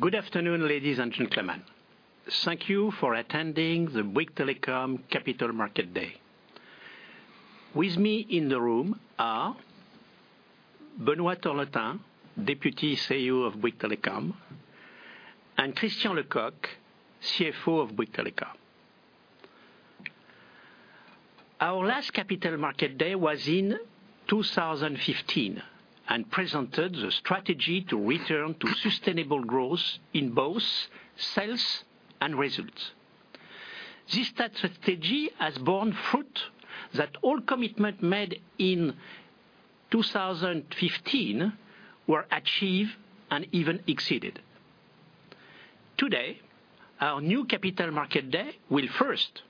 Good afternoon, ladies and gentlemen. Thank you for attending the Bouygues Telecom Capital Markets Day. With me in the room are Benoît Torloting, Deputy CEO of Bouygues Telecom, and Christian Lecoq, CFO of Bouygues Telecom. Our last Capital Markets Day was in 2015, presented the strategy to return to sustainable growth in both sales and results. This strategy has borne fruit that all commitment made in 2015 were achieved and even exceeded. Today, our new Capital Markets Day will first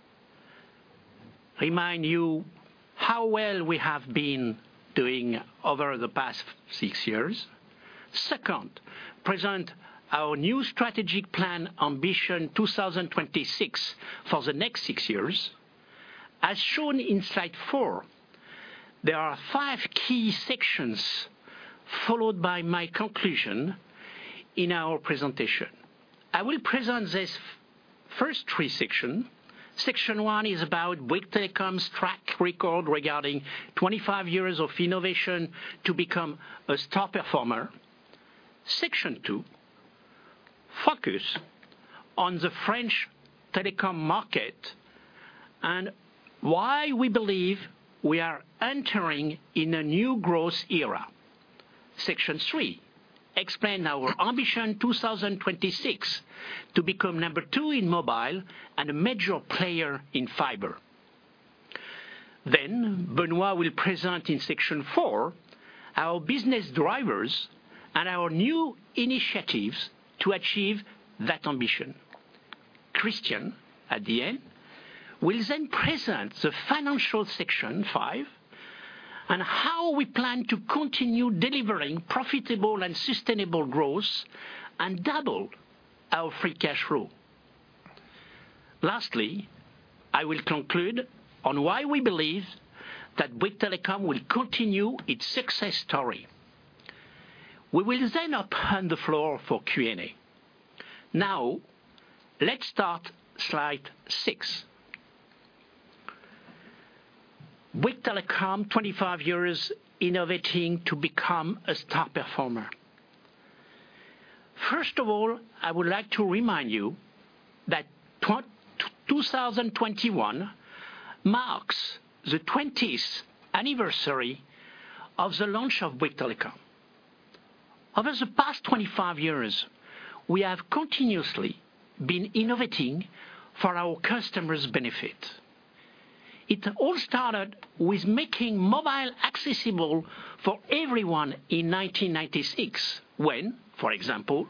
remind you how well we have been doing over the past six years. Second, present our new strategic plan, Ambition 2026, for the next six years. As shown in slide four, there are five key sections, followed by my conclusion in our presentation. I will present these first three section. Section one is about Bouygues Telecom's track record regarding 25 years of innovation to become a star performer. Section two focus on the French telecom market and why we believe we are entering in a new growth era. Section three explain our Ambition 2026 to become number two in mobile and a major player in fiber. Benoît will present in section four our business drivers and our new initiatives to achieve that ambition. Christian, at the end, will then present the financial section five, and how we plan to continue delivering profitable and sustainable growth, and double our free cash flow. Lastly, I will conclude on why we believe that Bouygues Telecom will continue its success story. We will then open the floor for Q&A. Let's start slide six. Bouygues Telecom, 25 years innovating to become a star performer. First of all, I would like to remind you that 2021 marks the 20th anniversary of the launch of Bouygues Telecom. Over the past 25 years, we have continuously been innovating for our customers' benefit. It all started with making mobile accessible for everyone in 1996, when, for example,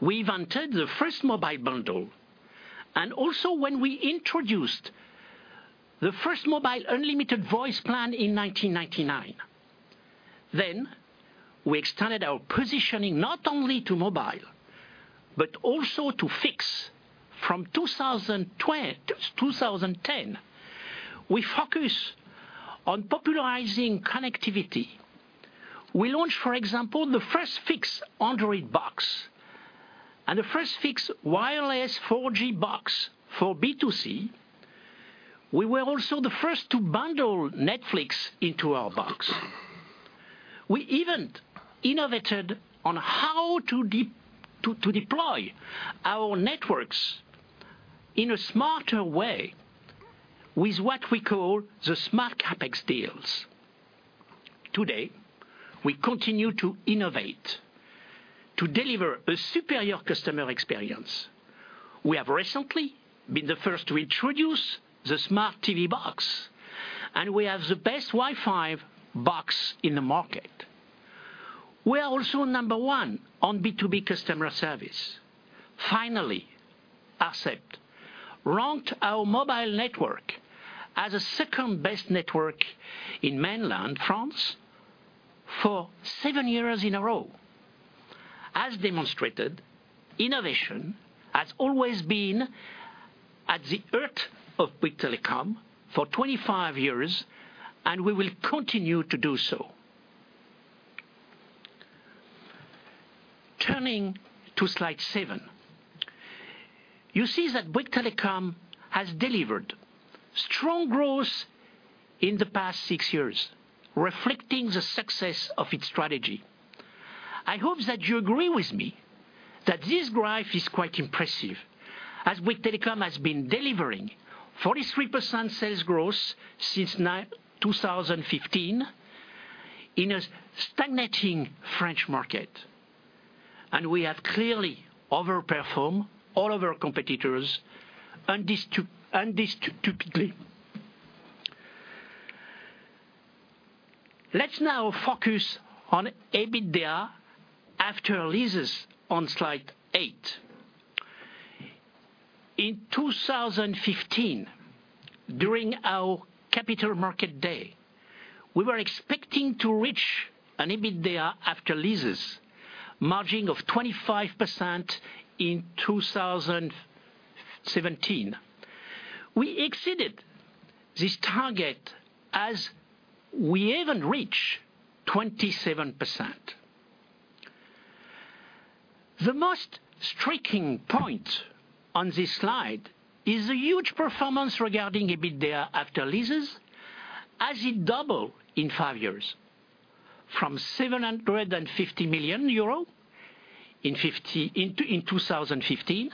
we invented the first mobile bundle, and also when we introduced the first mobile unlimited voice plan in 1999. Then we extended our positioning not only to mobile but also to fixed. From 2010, we focus on popularizing connectivity. We launched, for example, the first fixed Android box and the first fixed wireless 4G box for B2C. We were also the first to bundle Netflix into our box. We even innovated on how to deploy our networks in a smarter way with what we call the smart CapEx deals. Today, we continue to innovate to deliver a superior customer experience. We have recently been the first to introduce the Smart TV Box, and we have the best Wi-Fi box in the market. We are also number one on B2B customer service. ARCEP ranked our mobile network as the second best network in mainland France for seven years in a row. As demonstrated, innovation has always been at the heart of Bouygues Telecom for 25 years, and we will continue to do so. Turning to slide seven. You see that Bouygues Telecom has delivered strong growth in the past six years, reflecting the success of its strategy. I hope that you agree with me that this graph is quite impressive, as Bouygues Telecom has been delivering 43% sales growth since 2015 in a stagnating French market, and we have clearly over-performed all of our competitors undisputedly. Let's now focus on EBITDA after Leases on slide eight. In 2015, during our Capital Markets Day, we were expecting to reach an EBITDA after Leases margin of 25% in 2017. We exceeded this target as we even reach 27%. The most striking point on this slide is the huge performance regarding EBITDA after Leases, as it double in five years. From 750 million euro in 2015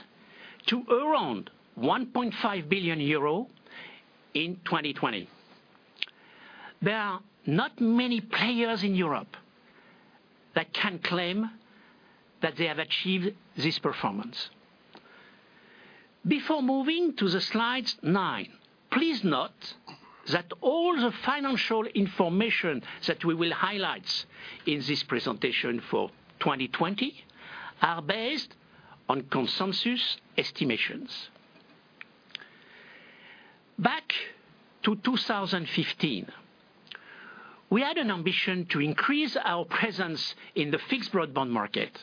to around 1.5 billion euro in 2020. There are not many players in Europe that can claim that they have achieved this performance. Before moving to the slides nine, please note that all the financial information that we will highlight in this presentation for 2020 are based on consensus estimations. Back to 2015. We had an ambition to increase our presence in the fixed broadband market.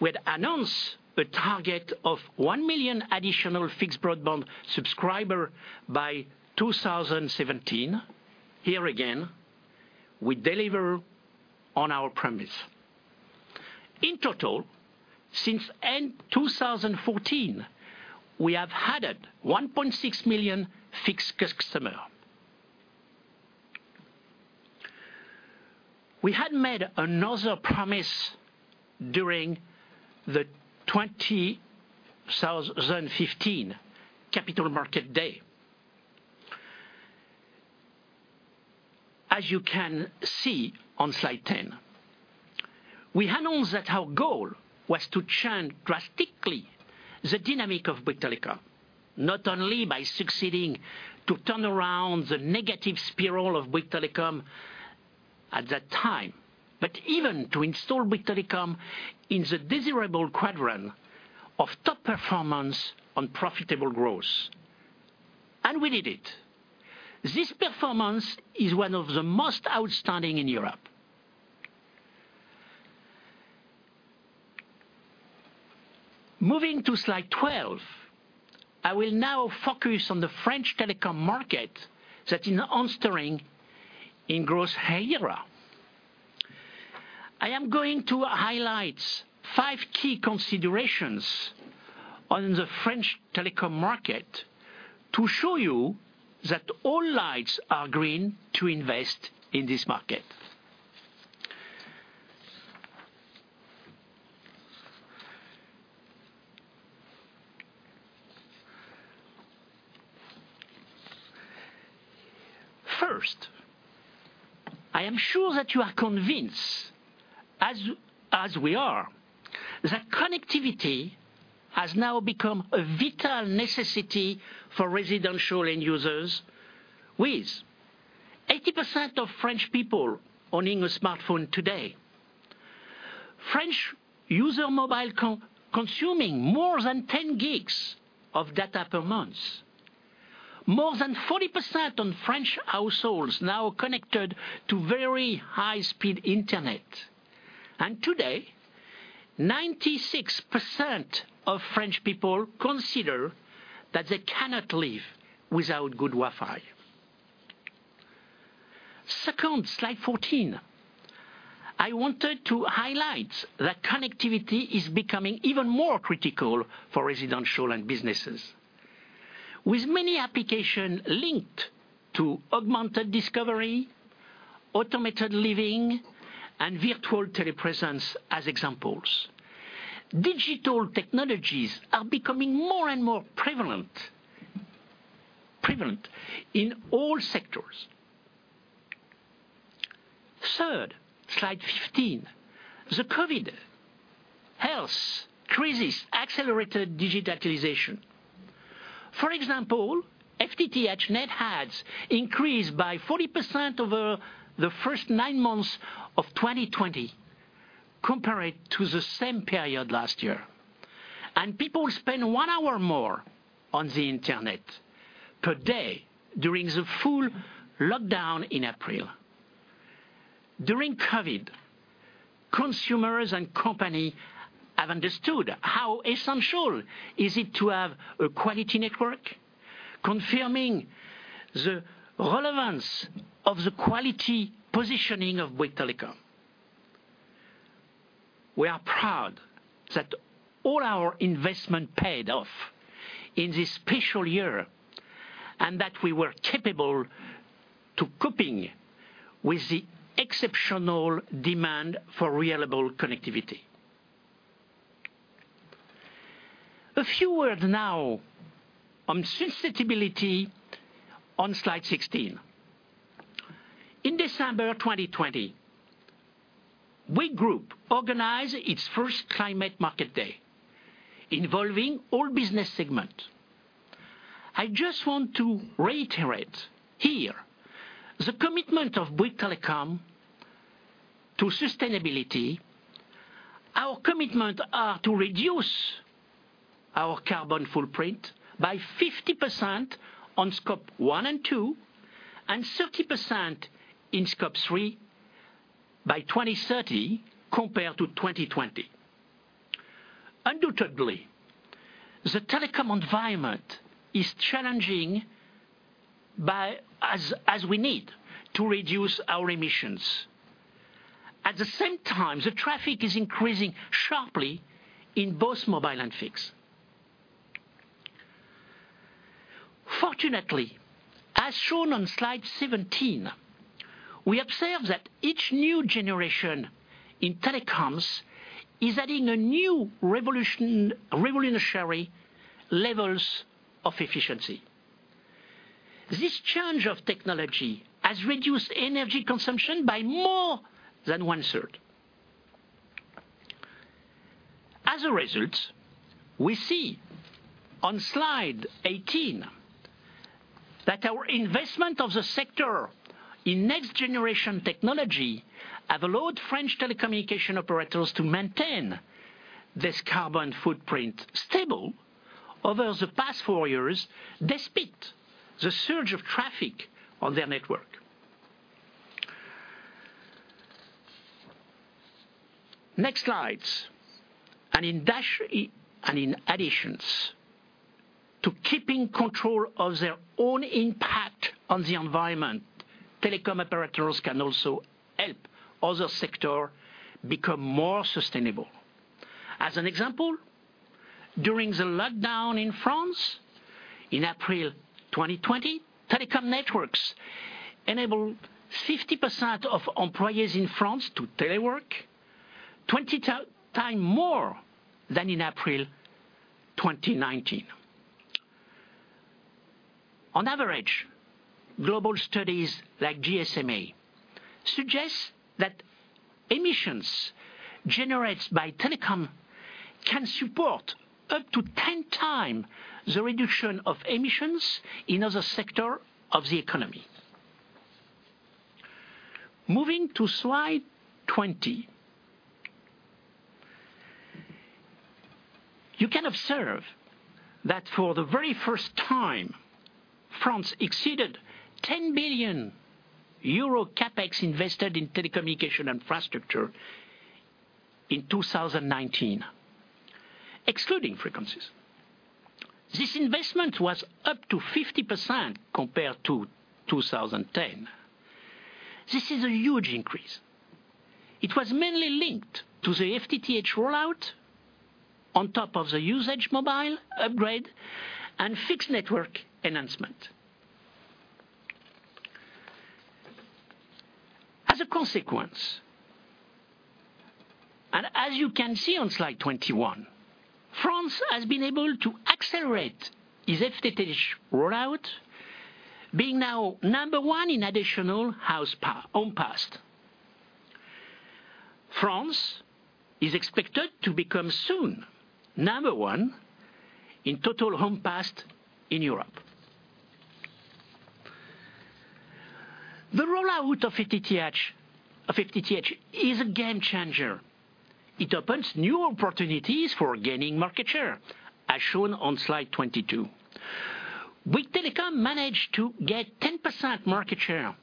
We'd announce a target of 1 million additional fixed broadband subscriber by 2017. Here again, we deliver on our promise. In total, since end 2014, we have added 1.6 million fixed customer. We had made another promise during the 2015 Capital Markets Day. As you can see on slide 10, we announced that our goal was to change drastically the dynamic of Bouygues Telecom, not only by succeeding to turn around the negative spiral of Bouygues Telecom at that time, but even to install Bouygues Telecom in the desirable quadrant of top performance on profitable growth. We did it. This performance is one of the most outstanding in Europe. Moving to slide 12. I will now focus on the French telecom market that is entering in growth era. I am going to highlight five key considerations on the French telecom market to show you that all lights are green to invest in this market. First, I am sure that you are convinced, as we are, that connectivity has now become a vital necessity for residential end users, with 80% of French people owning a smartphone today. French user mobile consuming more than 10 GB of data per month. More than 40% on French households now connected to very high-speed internet. Today, 96% of French people consider that they cannot live without good Wi-Fi. Second, slide 14. I wanted to highlight that connectivity is becoming even more critical for residential and businesses. With many application linked to augmented discovery, automated living, and virtual telepresence as examples. Digital technologies are becoming more and more prevalent in all sectors. Third, slide 15. The COVID health crisis accelerated digitalization. For example, FTTH net adds increased by 40% over the first nine months of 2020 compared to the same period last year. People spend one hour more on the internet per day during the full lockdown in April. During COVID, consumers and company have understood how essential is it to have a quality network, confirming the relevance of the quality positioning of Bouygues Telecom. We are proud that all our investment paid off in this special year, and that we were capable to coping with the exceptional demand for reliable connectivity. A few word now on sustainability on slide 16. In December 2020, Bouygues group organized its first Climate Markets Day involving all business segment. I just want to reiterate here the commitment of Bouygues Telecom to sustainability. Our commitment are to reduce our carbon footprint by 50% on Scope 1 and 2, and 30% in Scope 3 by 2030, compared to 2020. Undoubtedly, the telecom environment is challenging as we need to reduce our emissions. At the same time, the traffic is increasing sharply in both mobile and fixed. Fortunately, as shown on slide 17, we observe that each new generation in telecoms is adding a new revolutionary levels of efficiency. This change of technology has reduced energy consumption by more than one-third. As a result, we see on slide 18 that our investment of the sector in next-generation technology have allowed French telecommunication operators to maintain this carbon footprint stable over the past four years, despite the surge of traffic on their network. Next slides. In additions to keeping control of their own impact on the environment, telecom operators can also help other sector become more sustainable. As an example, during the lockdown in France in April 2020, telecom networks enabled 50% of employees in France to telework, 20 times more than in April 2019. On average, global studies like GSMA suggest that emissions generated by telecom can support up to 10 times the reduction of emissions in other sector of the economy. Moving to slide 20. You can observe that for the very first time, France exceeded 10 billion euro CapEx invested in telecommunication infrastructure in 2019, excluding frequencies. This investment was up to 50% compared to 2010. This is a huge increase. It was mainly linked to the FTTH rollout on top of the usage mobile upgrade and fixed network enhancement. As a consequence, and as you can see on slide 21, France has been able to accelerate its FTTH rollout, being now number one in additional house home passed. France is expected to become soon number one in total home passed in Europe. The rollout of FTTH is a game changer. It opens new opportunities for gaining market share, as shown on slide 22. Bouygues Telecom managed to get 10% market share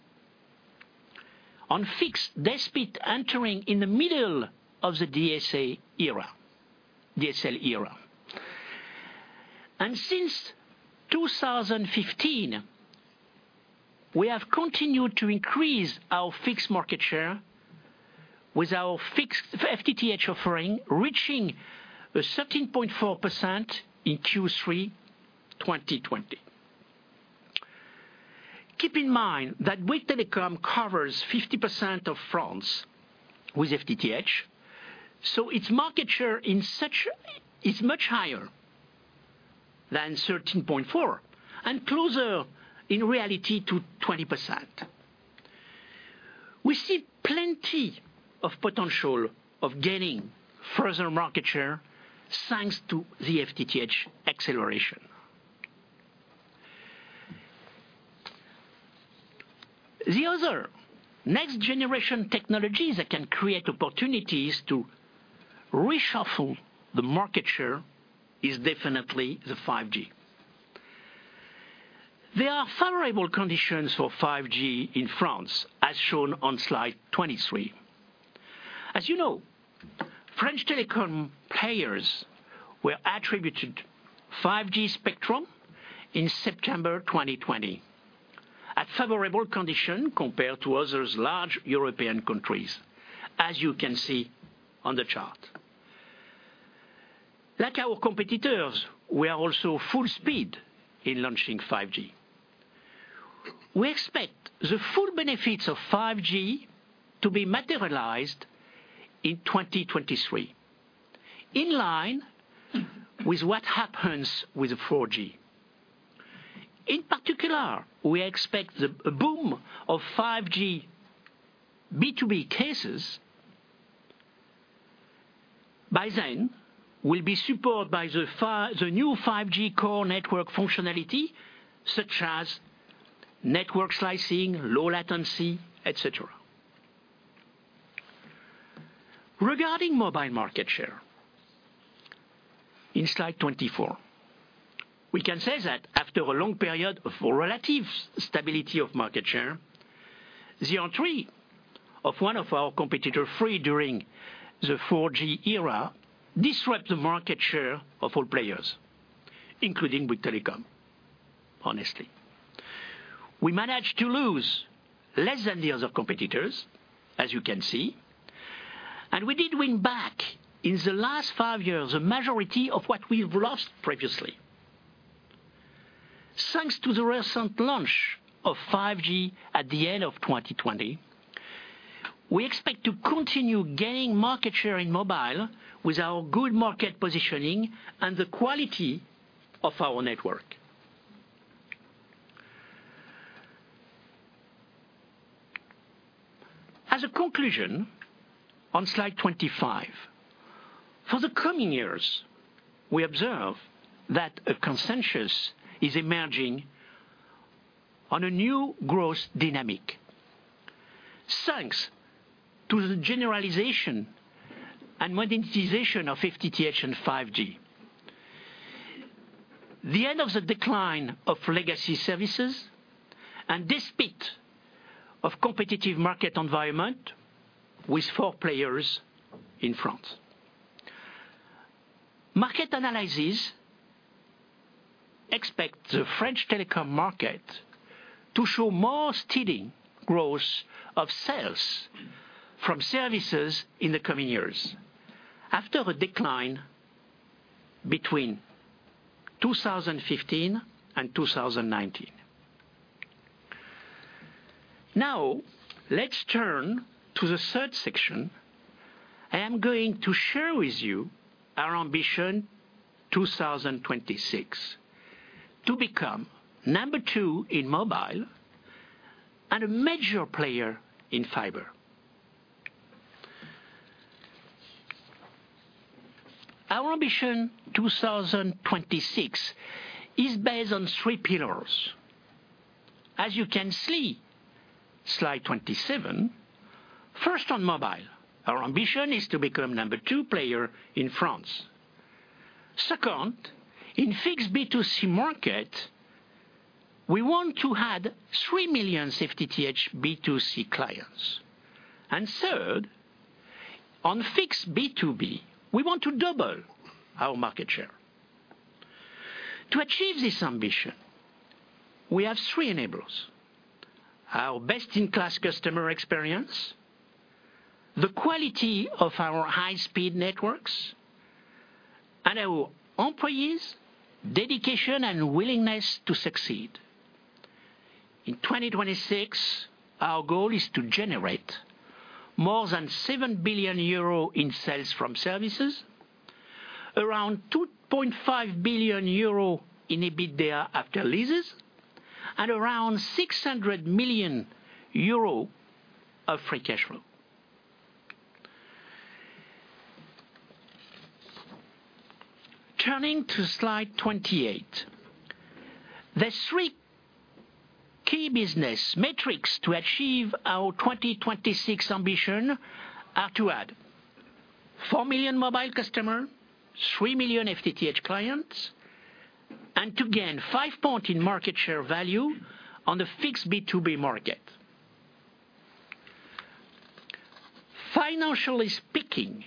on fixed despite entering in the middle of the DSL era. Since 2015, we have continued to increase our fixed market share with our FTTH offering, reaching 13.4% in Q3 2020. Keep in mind that Bouygues Telecom covers 50% of France with FTTH, so its market share is much higher than 13.4% and closer in reality to 20%. We see plenty of potential of gaining further market share thanks to the FTTH acceleration. The other next-generation technology that can create opportunities to reshuffle the market share is definitely the 5G. There are favorable conditions for 5G in France, as shown on slide 23. As you know, French telecom players were attributed 5G spectrum in September 2020 at favorable condition compared to other large European countries, as you can see on the chart. Like our competitors, we are also full speed in launching 5G. We expect the full benefits of 5G to be materialized in 2023, in line with what happens with the 4G. In particular, we expect the boom of 5G B2B cases by then will be supported by the new 5G core network functionality, such as network slicing, low latency, et cetera. Regarding mobile market share. In slide 24, we can say that after a long period of relative stability of market share, the entry of one of our competitor, Free during the 4G era, disrupt the market share of all players, including Bouygues Telecom, honestly. We managed to lose less than the other competitors, as you can see. We did win back, in the last five years, a majority of what we've lost previously. Thanks to the recent launch of 5G at the end of 2020, we expect to continue gaining market share in mobile with our good market positioning and the quality of our network. As a conclusion, on slide 25. For the coming years, we observe that a consensus is emerging on a new growth dynamic. Thanks to the generalization and monetization of FTTH and 5G. The end of the decline of legacy services despite of competitive market environment with four players in France. Market analysis expect the French telecom market to show more steady growth of sales from services in the coming years after a decline between 2015 and 2019. Now, let's turn to the third section. I am going to share with you our Ambition 2026, to become number two in mobile and a major player in fiber. Our Ambition 2026 is based on three pillars. As you can see, slide 27. First, on mobile, our ambition is to become number two player in France. Second, in fixed B2C market, we want to add 3 million FTTH B2C clients. Third, on fixed B2B, we want to double our market share. To achieve this ambition, we have three enablers. Our best-in-class customer experience, the quality of our high-speed networks, and our employees' dedication and willingness to succeed. In 2026, our goal is to generate more than 7 billion euro in sales from services, around 2.5 billion euro in EBITDA after Leases, and around 600 million euro of free cash flow. Turning to slide 28. The three key business metrics to achieve our Ambition 2026 are to add 4 million mobile customer, 3 million FTTH clients, and to gain 5 point in market share value on the fixed B2B market. Financially speaking,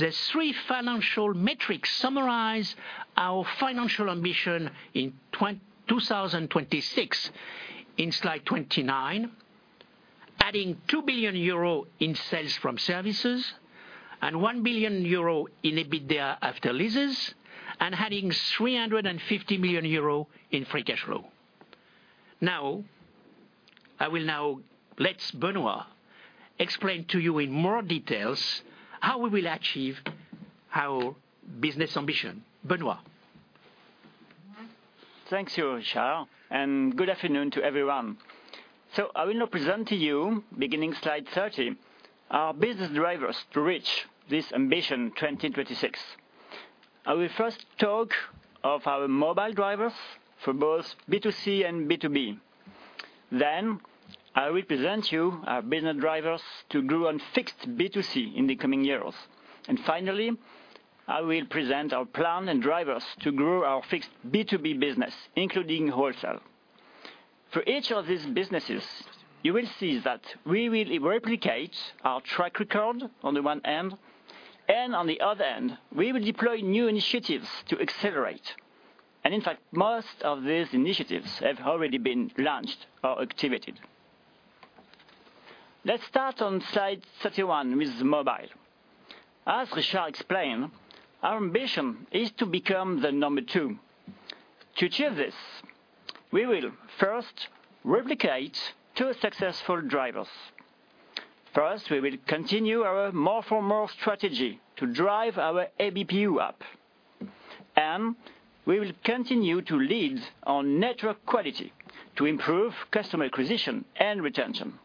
the three financial metrics summarize our financial ambition in 2026, in slide 29. Adding 2 billion euro in sales from services and 1 billion euro in EBITDA after leases, and adding 350 million euro in free cash flow. I will now let Benoît Torloting explain to you in more details how we will achieve our business ambition. Benoît. Thanks, Richard. Good afternoon to everyone. I will now present to you, beginning slide 30, our business drivers to reach this Ambition 2026. I will first talk of our mobile drivers for both B2C and B2B. I will present you our business drivers to grow on fixed B2C in the coming years. Finally, I will present our plan and drivers to grow our fixed B2B business, including wholesale. For each of these businesses, you will see that we will replicate our track record on the one hand, and on the other hand, we will deploy new initiatives to accelerate. In fact, most of these initiatives have already been launched or activated. Let's start on slide 31 with mobile. As Richard explained, our ambition is to become the number two. To achieve this, we will first replicate two successful drivers. First, we will continue our More for More strategy to drive our ABPU up, and we will continue to lead on network quality to improve customer acquisition and retention.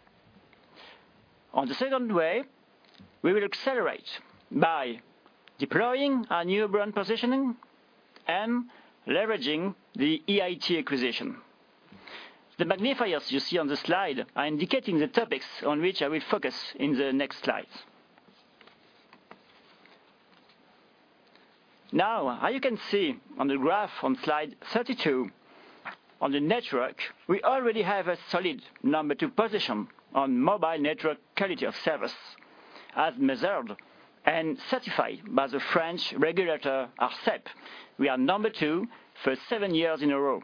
On the second way, we will accelerate by deploying our new brand positioning and leveraging the EIT acquisition. The magnifiers you see on the slide are indicating the topics on which I will focus in the next slides. Now, as you can see on the graph on slide 32, on the network, we already have a solid number two position on mobile network quality of service, as measured and certified by the French regulator ARCEP. We are number two for seven years in a row.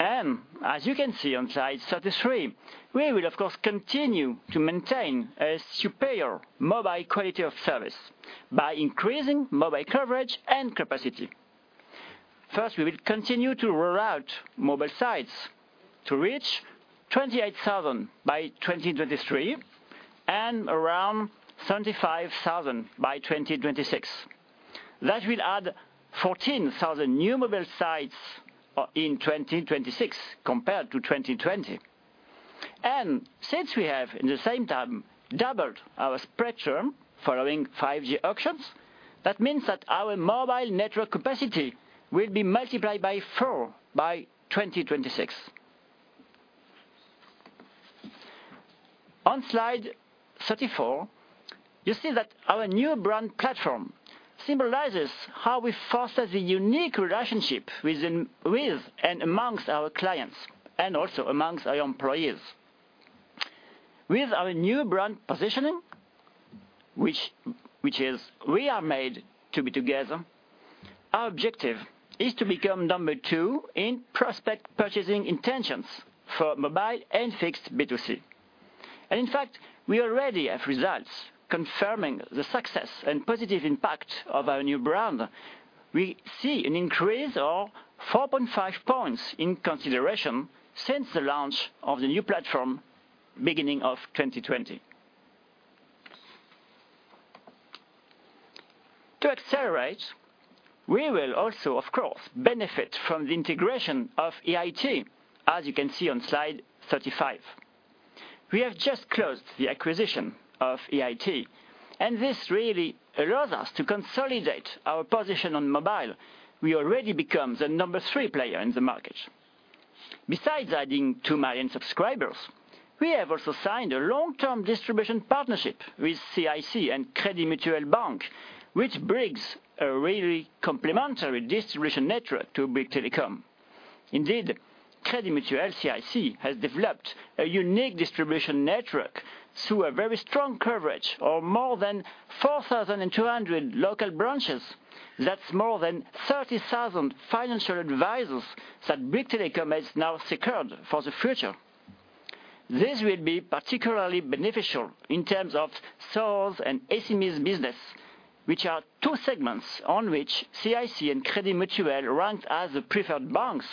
As you can see on slide 33, we will of course, continue to maintain a superior mobile quality of service by increasing mobile coverage and capacity. We will continue to roll out mobile sites to reach 28,000 by 2023 and around 75,000 by 2026. That will add 14,000 new mobile sites in 2026 compared to 2020. Since we have, at the same time, doubled our spectrum following 5G auctions, that means that our mobile network capacity will be multiplied by four by 2026. On slide 34, you see that our new brand platform symbolizes how we foster the unique relationship with and amongst our clients, and also amongst our employees. With our new brand positioning, which is "We are made to be together," our objective is to become number two in prospect purchasing intentions for mobile and fixed B2C. In fact, we already have results confirming the success and positive impact of our new brand. We see an increase of 4.5 points in consideration since the launch of the new platform, beginning of 2020. To accelerate, we will also, of course, benefit from the integration of EIT, as you can see on slide 35. We have just closed the acquisition of EIT. This really allows us to consolidate our position on mobile. We already become the number three player in the market. Besides adding 2 million subscribers, we have also signed a long-term distribution partnership with CIC and Crédit Mutuel bank, which brings a really complimentary distribution network to Bouygues Telecom. Indeed, Crédit Mutuel CIC has developed a unique distribution network through a very strong coverage of more than 4,200 local branches. That's more than 30,000 financial advisors that Bouygues Telecom has now secured for the future. This will be particularly beneficial in terms of SOEs and SMEs business, which are two segments on which CIC and Crédit Mutuel ranked as the preferred banks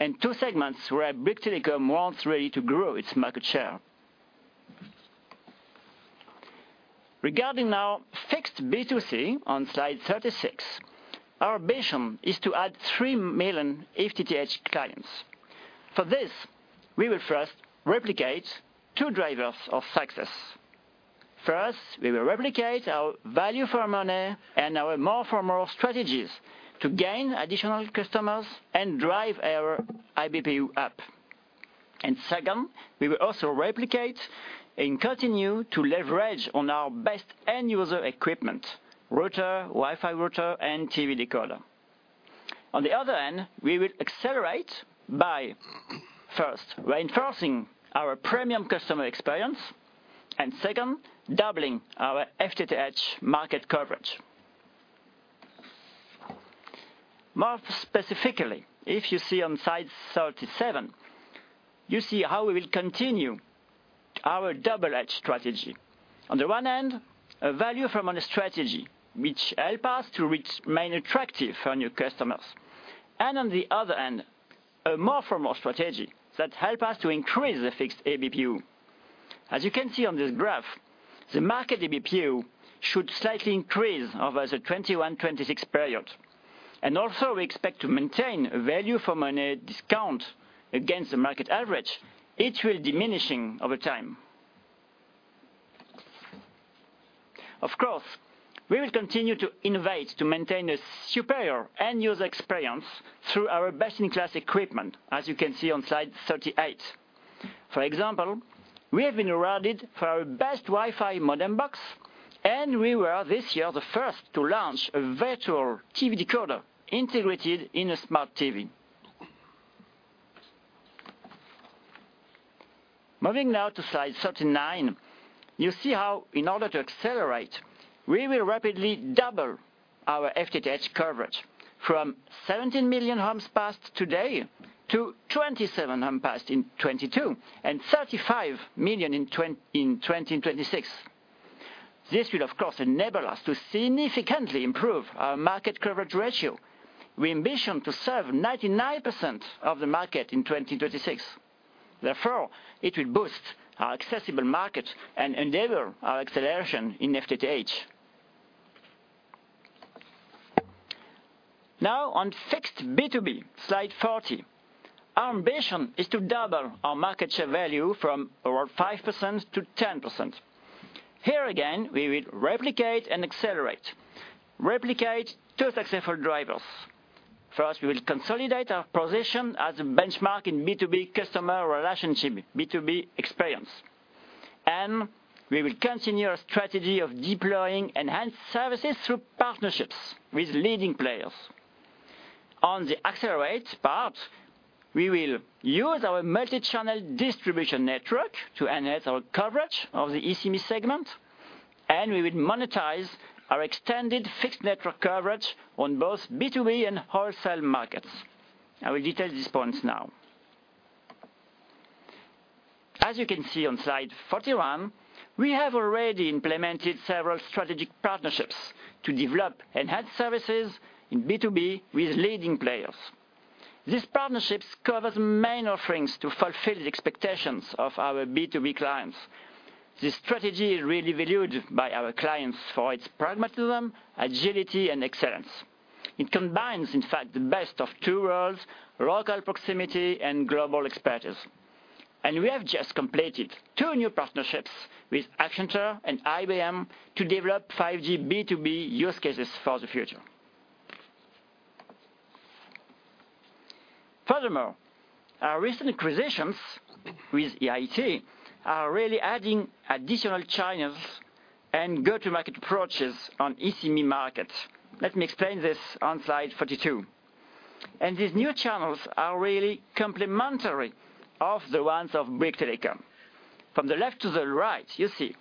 and two segments where Bouygues Telecom wants really to grow its market share. Regarding now fixed B2C on slide 36, our ambition is to add 3 million FTTH clients. For this, we will first replicate two drivers of success. First, we will replicate our value for money and our More for More strategies to gain additional customers and drive our ABPU up. Second, we will also replicate and continue to leverage on our best end-user equipment, router, Wi-Fi router, and TV decoder. On the other end, we will accelerate by, first, reinforcing our premium customer experience, and second, doubling our FTTH market coverage. More specifically, if you see on slide 37, you see how we will continue our double-edge strategy. On the one hand, a value for money strategy, which help us to remain attractive for new customers. On the other hand, a More for More strategy that help us to increase the fixed ABPU. As you can see on this graph, the market ABPU should slightly increase over the 2021-2026 period. Also, we expect to maintain a value for money discount against the market average. It will diminishing over time. Of course, we will continue to innovate to maintain a superior end-user experience through our best-in-class equipment, as you can see on slide 38. For example, we have been awarded for our best Wi-Fi modem box, and we were, this year, the first to launch a virtual TV decoder integrated in a smart TV. Moving now to slide 39. You see how in order to accelerate, we will rapidly double our FTTH coverage from 17 million homes passed today to 27 homes passed in 2022 and 35 million in 2026. This will, of course, enable us to significantly improve our market coverage ratio. We ambition to serve 99% of the market in 2026. It will boost our accessible market and enable our acceleration in FTTH. Now on fixed B2B, slide 40. Our ambition is to double our market share value from around 5% to 10%. Here again, we will replicate and accelerate. Replicate two successful drivers. First, we will consolidate our position as a benchmark in B2B customer relationship, B2B experience, and we will continue our strategy of deploying enhanced services through partnerships with leading players. On the accelerate part, we will use our multi-channel distribution network to enhance our coverage of the SME segment, and we will monetize our extended fixed network coverage on both B2B and wholesale markets. I will detail these points now. As you can see on slide 41, we have already implemented several strategic partnerships to develop enhanced services in B2B with leading players. These partnerships cover the main offerings to fulfill the expectations of our B2B clients. This strategy is really valued by our clients for its pragmatism, agility, and excellence. It combines in fact the best of two worlds, local proximity and global expertise. We have just completed two new partnerships with Accenture and IBM to develop 5G B2B use cases for the future. Furthermore, our recent acquisitions with EIT are really adding additional channels and go-to-market approaches on SME markets. Let me explain this on slide 42. These new channels are really complementary of the ones of Bouygues Telecom. From the left to the right, you see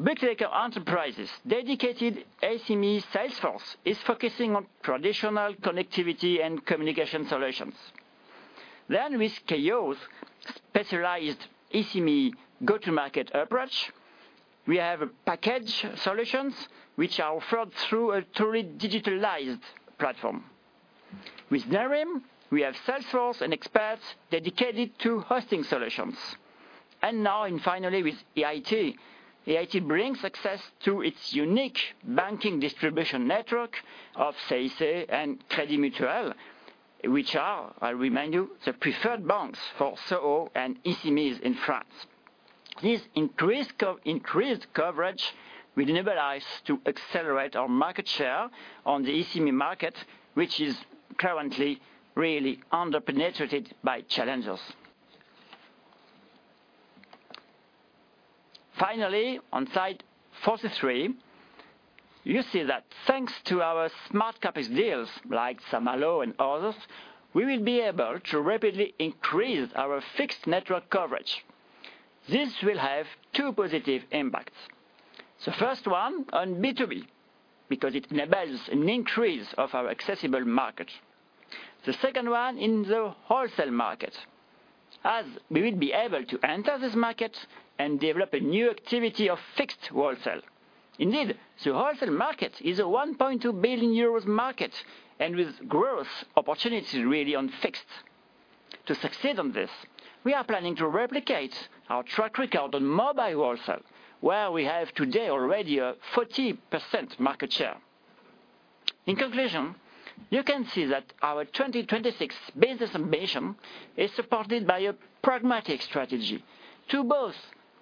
Bouygues Telecom Entreprises dedicated SME sales force is focusing on traditional connectivity and communication solutions. With Keyyo specialized SME go-to-market approach, we have package solutions which are offered through a truly digitalized platform. With Nerim, we have salesforce and experts dedicated to hosting solutions. Now finally with EIT. EIT brings access to its unique banking distribution network of CIC and Crédit Mutuel, which are, I remind you, the preferred banks for VSE and SMEs in France. This increased coverage will enable us to accelerate our market share on the SME market, which is currently really under-penetrated by challengers. Finally, on slide 43, you see that thanks to our smart CapEx deals like Saint-Malo and others, we will be able to rapidly increase our fixed network coverage. This will have two positive impacts. The first one on B2B, because it enables an increase of our accessible market. The second one in the wholesale market, as we will be able to enter this market and develop a new activity of fixed wholesale. The wholesale market is a 1.2 billion euros market and with growth opportunities really on fixed. To succeed on this, we are planning to replicate our track record on mobile wholesale, where we have today already a 40% market share. In conclusion, you can see that our 2026 business ambition is supported by a pragmatic strategy to both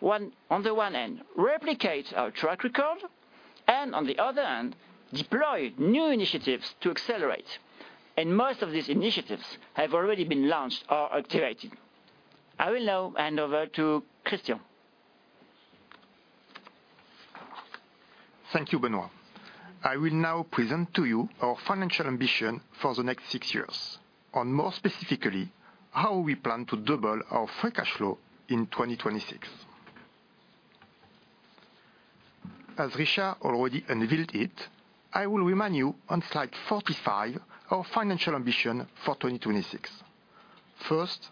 on the one hand, replicate our track record, and on the other hand, deploy new initiatives to accelerate. Most of these initiatives have already been launched or activated. I will now hand over to Christian. Thank you, Benoît. I will now present to you our financial ambition for the next six years. More specifically, how we plan to double our free cash flow in 2026. As Richard already unveiled it, I will remind you on slide 45 our financial ambition for 2026. First,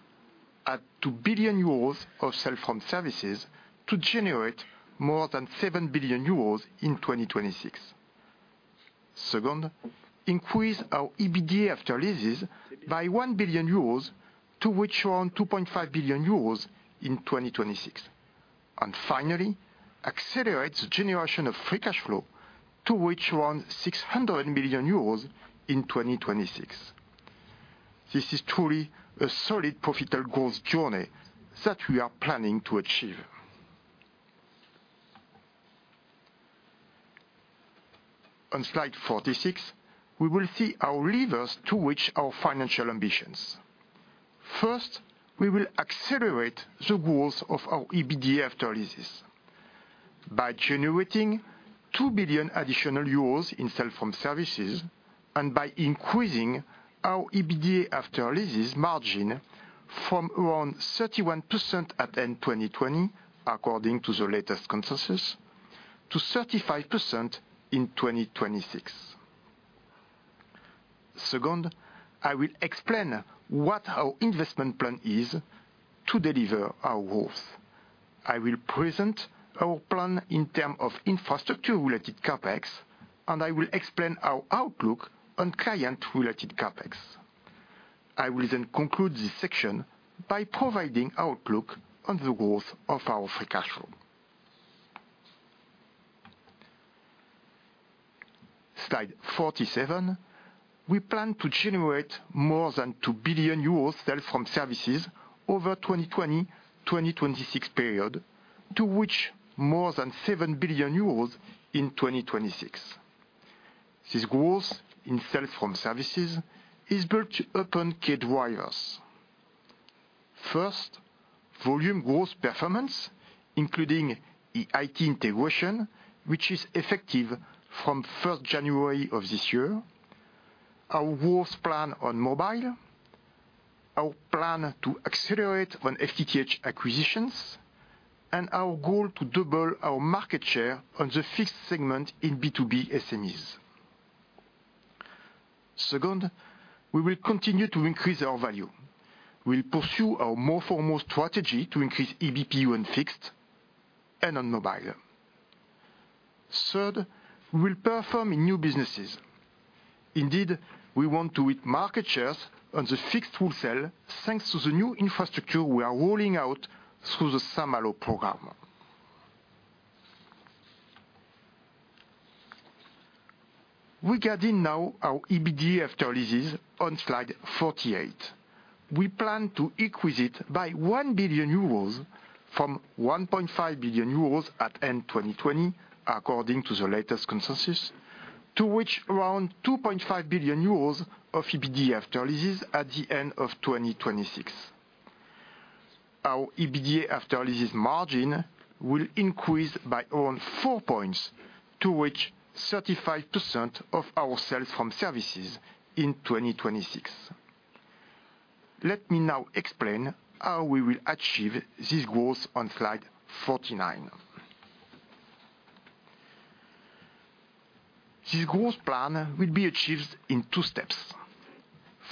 add 2 billion euros of sales from services to generate more than 7 billion euros in 2026. Second, increase our EBITDA after Leases by 1 billion euros to reach around 2.5 billion euros in 2026. Finally, accelerate the generation of free cash flow to reach around 600 million euros in 2026. This is truly a solid, profitable growth journey that we are planning to achieve. On slide 46, we will see our levers to reach our financial ambitions. First, we will accelerate the growth of our EBITDA after Leases by generating 2 billion additional euros in sales from services and by increasing our EBITDA after Leases margin from around 31% at end 2020, according to the latest consensus, to 35% in 2026. Second, I will explain what our investment plan is to deliver our growth. I will present our plan in term of infrastructure-related CapEx. I will explain our outlook on client-related CapEx. I will conclude this section by providing outlook on the growth of our free cash flow. Slide 47. We plan to generate more than 2 billion euros sales from services over 2020, 2026 period to reach more than 7 billion euros in 2026. This growth in sales from services is built upon key drivers. First, volume growth performance, including EIT integration, which is effective from 1st January of this year, our growth plan on mobile, our plan to accelerate on FTTH acquisitions, and our goal to double our market share on the fixed segment in B2B SMEs. We will continue to increase our value. We'll pursue our More for More strategy to increase ABPU on fixed and on mobile. We'll perform in new businesses. We want to hit market shares on the fixed wholesale, thanks to the new infrastructure we are rolling out through the [Saint-Malo] program. Our EBITDA after leases on slide 48. We plan to increase it by 1 billion euros from 1.5 billion euros at end 2020, according to the latest consensus, to which around 2.5 billion euros of EBITDA after leases at the end of 2026. Our EBITDA after leases margin will increase by around four points to reach 35% of our sales from services in 2026. Let me now explain how we will achieve this growth on slide 49. This growth plan will be achieved in two steps.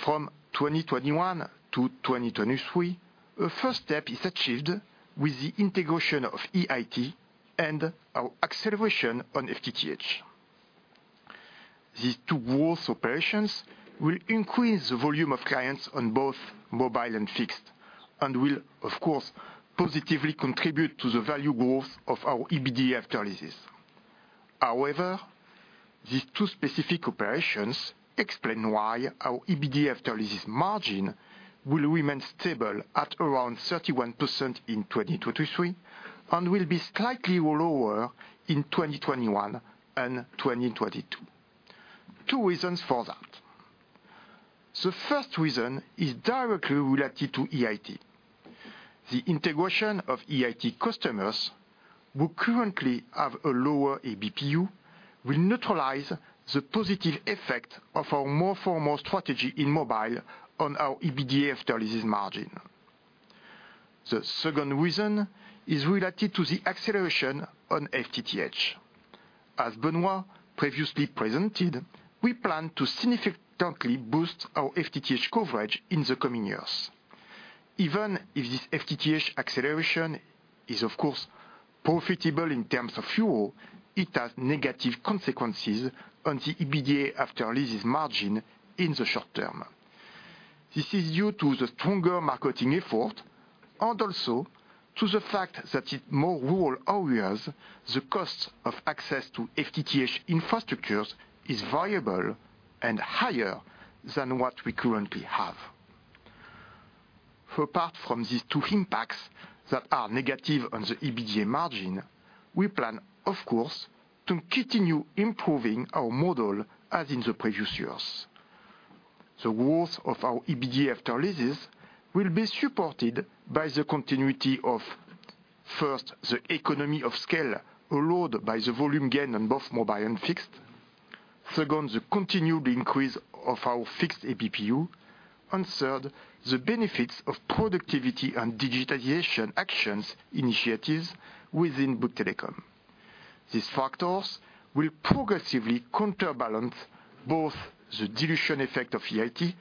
From 2021 to 2023, a first step is achieved with the integration of EIT and our acceleration on FTTH. These two growth operations will increase the volume of clients on both mobile and fixed and will, of course, positively contribute to the value growth of our EBITDA after leases. These two specific operations explain why our EBITDA after leases margin will remain stable at around 31% in 2023 and will be slightly lower in 2021 and 2022. Two reasons for that. The first reason is directly related to EIT. The integration of EIT customers who currently have a lower ABPU will neutralize the positive effect of our More for More strategy in mobile on our EBITDA after Leases margin. The second reason is related to the acceleration on FTTH. As Benoît previously presented, we plan to significantly boost our FTTH coverage in the coming years. Even if this FTTH acceleration is, of course, profitable in terms of EUR, it has negative consequences on the EBITDA after Leases margin in the short-term. This is due to the stronger marketing effort and also to the fact that in more rural areas, the cost of access to FTTH infrastructures is variable and higher than what we currently have. For apart from these two impacts that are negative on the EBITDA margin, we plan, of course, to continue improving our model as in the previous years. The growth of our EBITDA after Leases will be supported by the continuity of, first, the economy of scale allowed by the volume gain on both mobile and fixed. Second, the continued increase of our fixed ABPU, and third, the benefits of productivity and digitization actions initiatives within Bouygues Telecom. These factors will progressively counterbalance both the dilution effect of EIT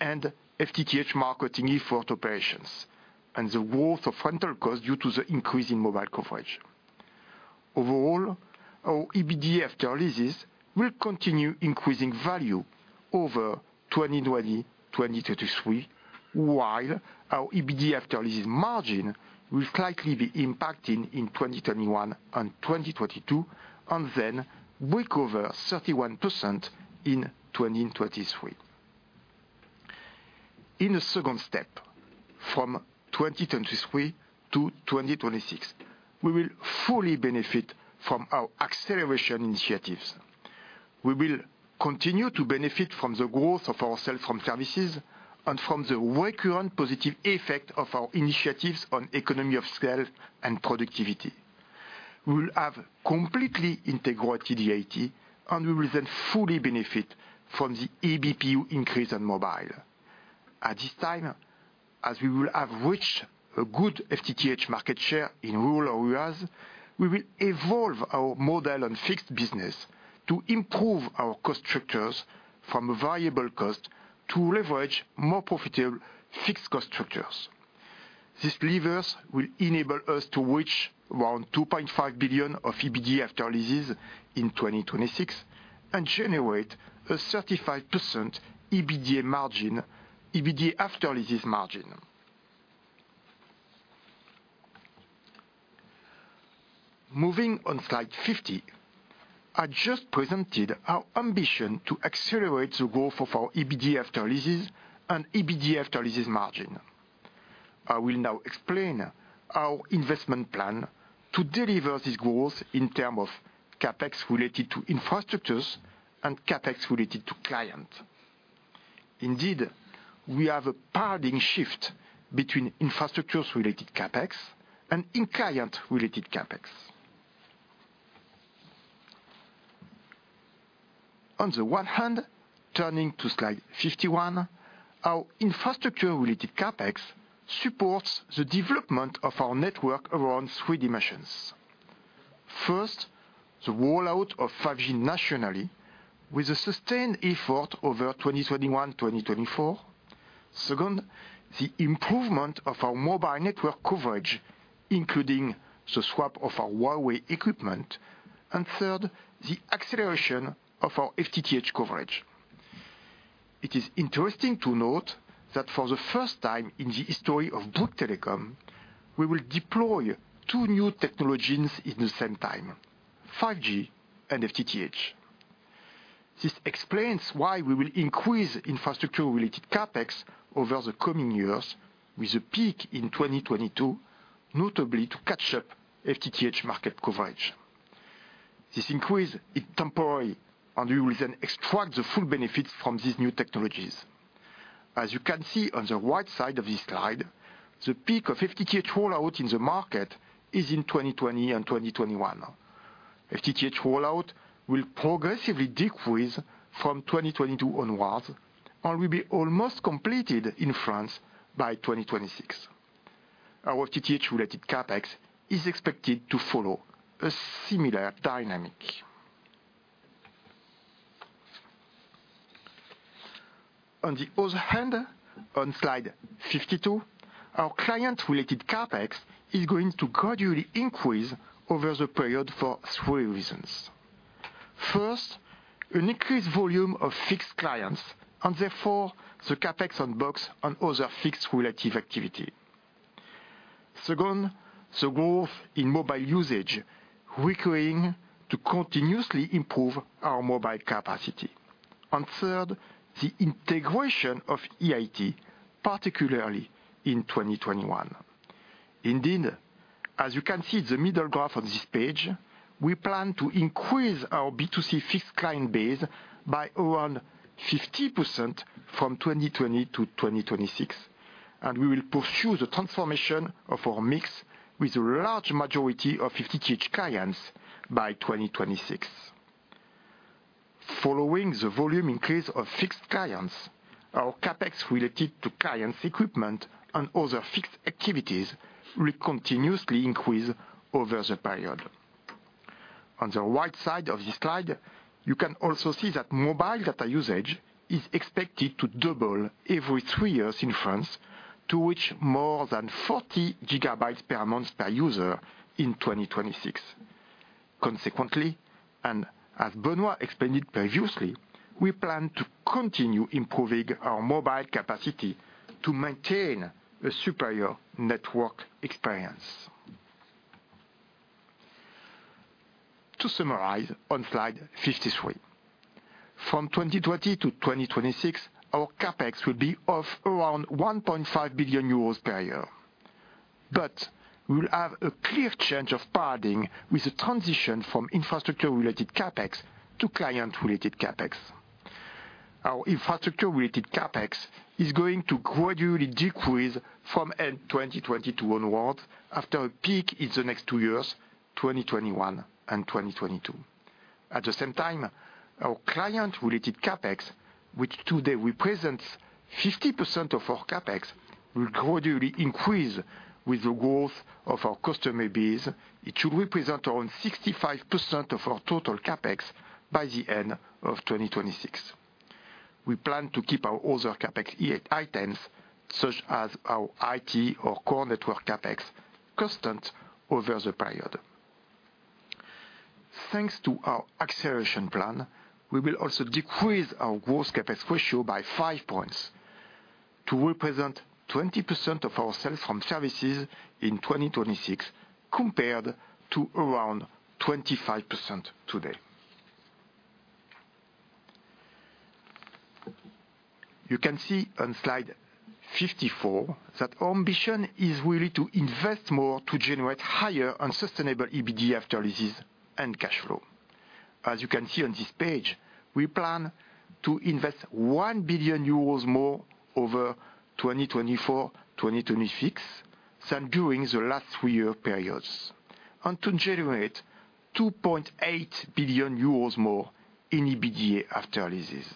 and FTTH marketing effort operations, and the growth of rental cost due to the increase in mobile coverage. Overall, our EBITDA after Leases will continue increasing value over 2020, 2023, while our EBITDA after Leases margin will slightly be impacting in 2021 and 2022, and then break over 31% in 2023. In the second step, from 2023 to 2026, we will fully benefit from our acceleration initiatives. We will continue to benefit from the growth of our sales from services and from the recurrent positive effect of our initiatives on economy of scale and productivity. We will have completely integrated EIT, and we will then fully benefit from the ABPU increase on mobile. At this time, as we will have reached a good FTTH market share in rural areas, we will evolve our model on fixed business to improve our cost structures from a variable cost to leverage more profitable fixed cost structures. These levers will enable us to reach around 2.5 billion of EBITDA after leases in 2026 and generate a 35% EBITDA after Leases margin. On slide 50. I just presented our ambition to accelerate the growth of our EBITDA after Leases and EBITDA after Leases margin. I will now explain our investment plan to deliver this growth in terms of CapEx related to infrastructures and CapEx related to client. Indeed, we have a paradigm shift between infrastructures-related CapEx and client-related CapEx. On the one hand, turning to slide 51, our infrastructures-related CapEx supports the development of our network around three dimensions. First, the rollout of 5G nationally with a sustained effort over 2021, 2024. Second, the improvement of our mobile network coverage, including the swap of our Huawei equipment. Third, the acceleration of our FTTH coverage. It is interesting to note that for the first time in the history of Bouygues Telecom, we will deploy two new technologies at the same time, 5G and FTTH. This explains why we will increase infrastructures-related CapEx over the coming years with a peak in 2022, notably to catch up FTTH market coverage. This increase is temporary, and we will then extract the full benefits from these new technologies. As you can see on the right side of this slide, the peak of FTTH rollout in the market is in 2020 and 2021. FTTH rollout will progressively decrease from 2022 onwards and will be almost completed in France by 2026. Our FTTH related CapEx is expected to follow a similar dynamic. On slide 52, our client related CapEx is going to gradually increase over the period for three reasons. First, an increased volume of fixed clients, and therefore the CapEx on box and other fixed relative activity. Second, the growth in mobile usage requiring to continuously improve our mobile capacity. Third, the integration of EIT, particularly in 2021. Indeed, as you can see the middle graph on this page, we plan to increase our B2C fixed client base by around 50% from 2020 to 2026, and we will pursue the transformation of our mix with a large majority of FTTH clients by 2026. Following the volume increase of fixed clients, our CapEx related to clients' equipment and other fixed activities will continuously increase over the period. On the right side of this slide, you can also see that mobile data usage is expected to double every three years in France to reach more than 40 GB per month per user in 2026. Consequently, and as Benoît explained previously, we plan to continue improving our mobile capacity to maintain a superior network experience. To summarize on slide 53. From 2020 to 2026, our CapEx will be of around 1.5 billion euros per year. We will have a clear change of paradigm with the transition from infrastructure related CapEx to client related CapEx. Our infrastructure related CapEx is going to gradually decrease from end 2022 onwards after a peak in the next two years, 2021 and 2022. At the same time, our client related CapEx, which today represents 50% of our CapEx, will gradually increase with the growth of our customer base. It should represent around 65% of our total CapEx by the end of 2026. We plan to keep our other CapEx items, such as our IT or core network CapEx, constant over the period. Thanks to our acceleration plan, we will also decrease our gross CapEx ratio by five points to represent 20% of our sales from services in 2026, compared to around 25% today. You can see on slide 54 that our ambition is really to invest more to generate higher and sustainable EBITDA after Leases and cash flow. As you can see on this page, we plan to invest 1 billion euros more over 2024, 2026 than during the last three-year periods, and to generate 2.8 billion euros more in EBITDA after Leases.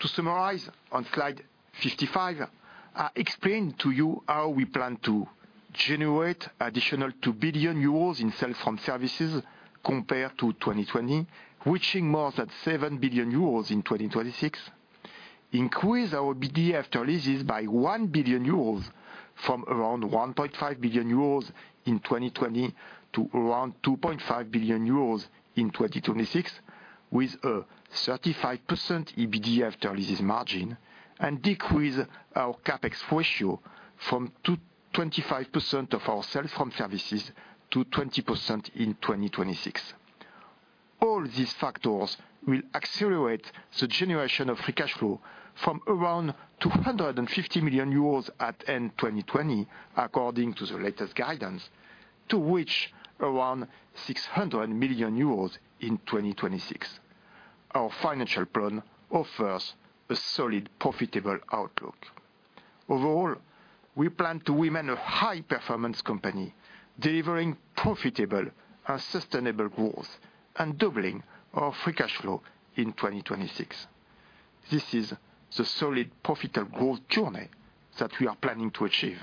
To summarize on slide 55, I explained to you how we plan to generate additional 2 billion euros in sales from services compared to 2020, reaching more than 7 billion euros in 2026. Increase our EBITDA after Leases by 1 billion euros from around 1.5 billion euros in 2020 to around 2.5 billion euros in 2026, with a 35% EBITDA after Leases margin and decrease our CapEx ratio from 25% of our sales from services to 20% in 2026. All these factors will accelerate the generation of free cash flow from around 250 million euros at end 2020, according to the latest guidance, to which around 600 million euros in 2026. Our financial plan offers a solid, profitable outlook. Overall, we plan to remain a high-performance company, delivering profitable and sustainable growth and doubling our free cash flow in 2026. This is the solid, profitable growth journey that we are planning to achieve.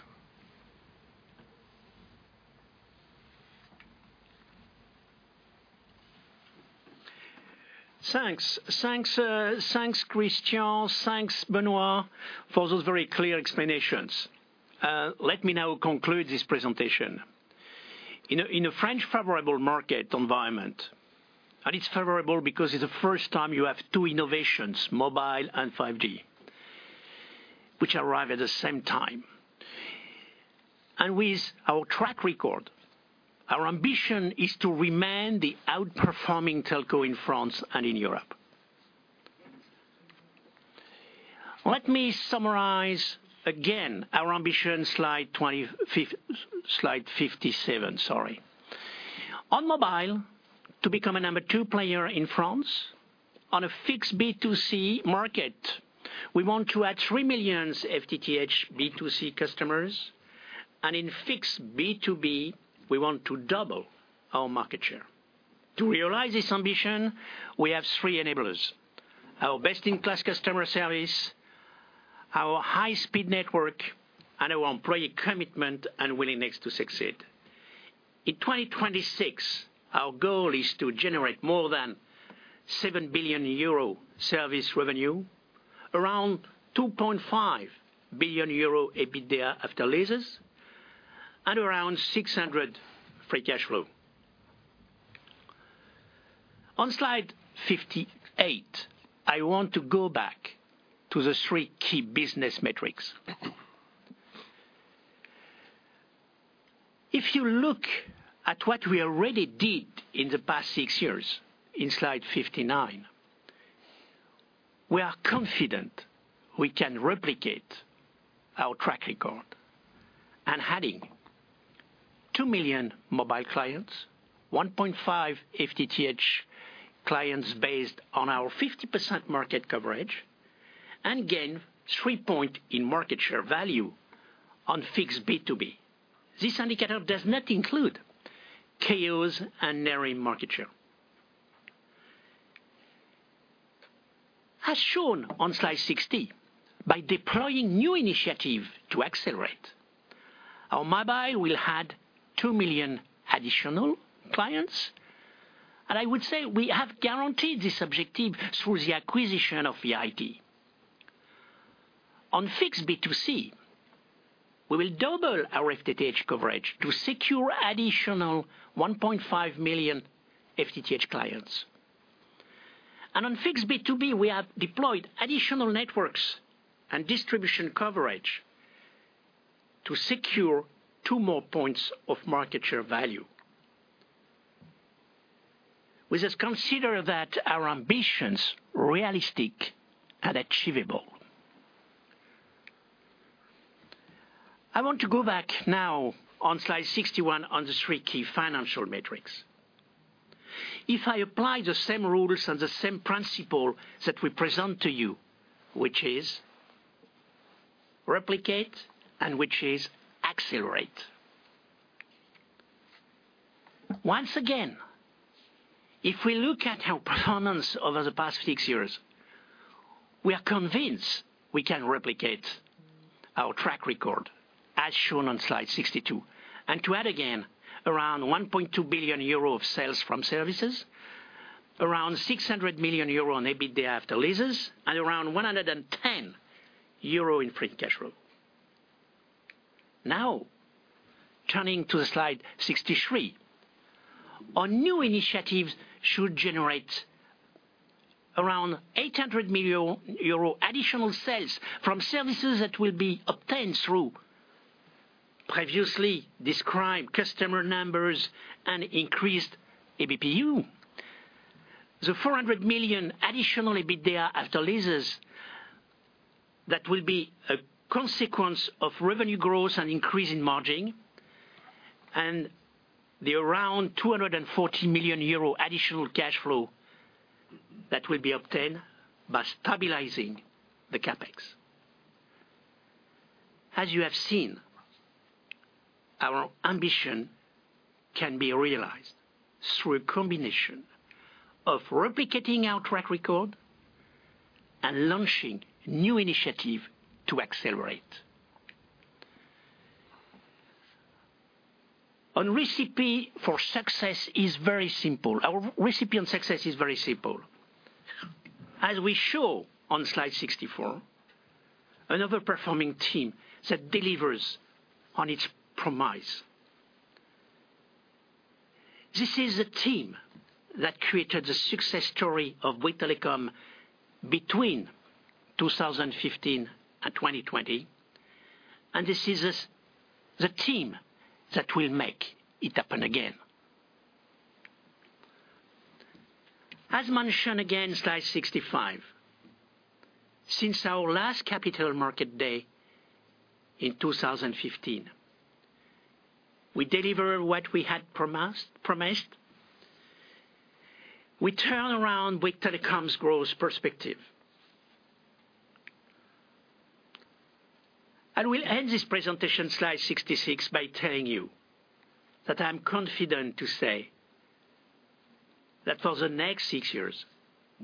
Thanks, Christian. Thanks, Benoît, for those very clear explanations. Let me now conclude this presentation. In a French favorable market environment, it's favorable because it's the first time you have two innovations, mobile and 5G, which arrive at the same time. With our track record, our ambition is to remain the outperforming telco in France and in Europe. Let me summarize again our ambition in slide 57. On mobile, to become a number two player in France. On a fixed B2C market, we want to add 3 million FTTH B2C customers, in fixed B2B, we want to double our market share. To realize this ambition, we have three enablers. Our best-in-class customer service, our high-speed network, and our employee commitment and willingness to succeed. In 2026, our goal is to generate more than 7 billion euro service revenue, around 2.5 billion euro EBITDA after Leases, and around 600 free cash flow. On slide 58, I want to go back to the three key business metrics. If you look at what we already did in the past six years, in slide 59, we are confident we can replicate our track record and adding 2 million mobile clients, 1.5 FTTH clients based on our 50% market coverage, and gain three point in market share value on fixed B2B. This indicator does not include Keyyo and Nerim market share. As shown on slide 60, by deploying new initiative to accelerate, our mobile will add 2 million additional clients. I would say we have guaranteed this objective through the acquisition of EIT. On fixed B2C, we will double our FTTH coverage to secure additional 1.5 million FTTH clients. On fixed B2B, we have deployed additional networks and distribution coverage to secure two more points of market share value. Which has considered that our ambition's realistic and achievable. I want to go back now on slide 61 on the three key financial metrics. If I apply the same rules and the same principle that we present to you, which is replicate and which is accelerate. Once again, if we look at our performance over the past six years, we are convinced we can replicate our track record, as shown on slide 62. To add again, around 1.2 billion euro of sales from services, around 600 million euro on EBITDA after leases, and around 110 euro in free cash flow. Now, turning to slide 63. Our new initiatives should generate around 800 million euro additional sales from services that will be obtained through previously described customer numbers and increased ABPU. The 400 million additional EBITDA after Leases, that will be a consequence of revenue growth and increase in margin, and the around 240 million euro additional cash flow that will be obtained by stabilizing the CapEx. As you have seen, our ambition can be realized through a combination of replicating our track record and launching new initiative to accelerate. Our recipe on success is very simple. As we show on slide 64, another performing team that delivers on its promise. This is a team that created the success story of Bouygues Telecom between 2015 and 2020, and this is the team that will make it happen again. As mentioned again, slide 65. Since our last Capital Markets Day in 2015, we delivered what we had promised. We turn around Bouygues Telecom's growth perspective. I will end this presentation, slide 66, by telling you that I'm confident to say that for the next six years,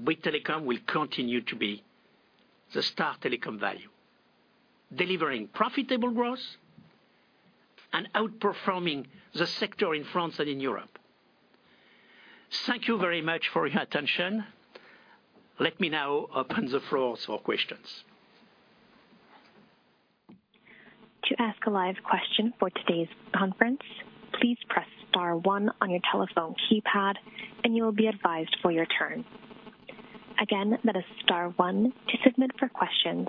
Bouygues Telecom will continue to be the star telecom value, delivering profitable growth and outperforming the sector in France and in Europe. Thank you very much for your attention. Let me now open the floor for questions. To ask a live question for today's conference, please press star one on your telephone keypad, and you will be advised for your turn. Again, that is star one to submit for questions.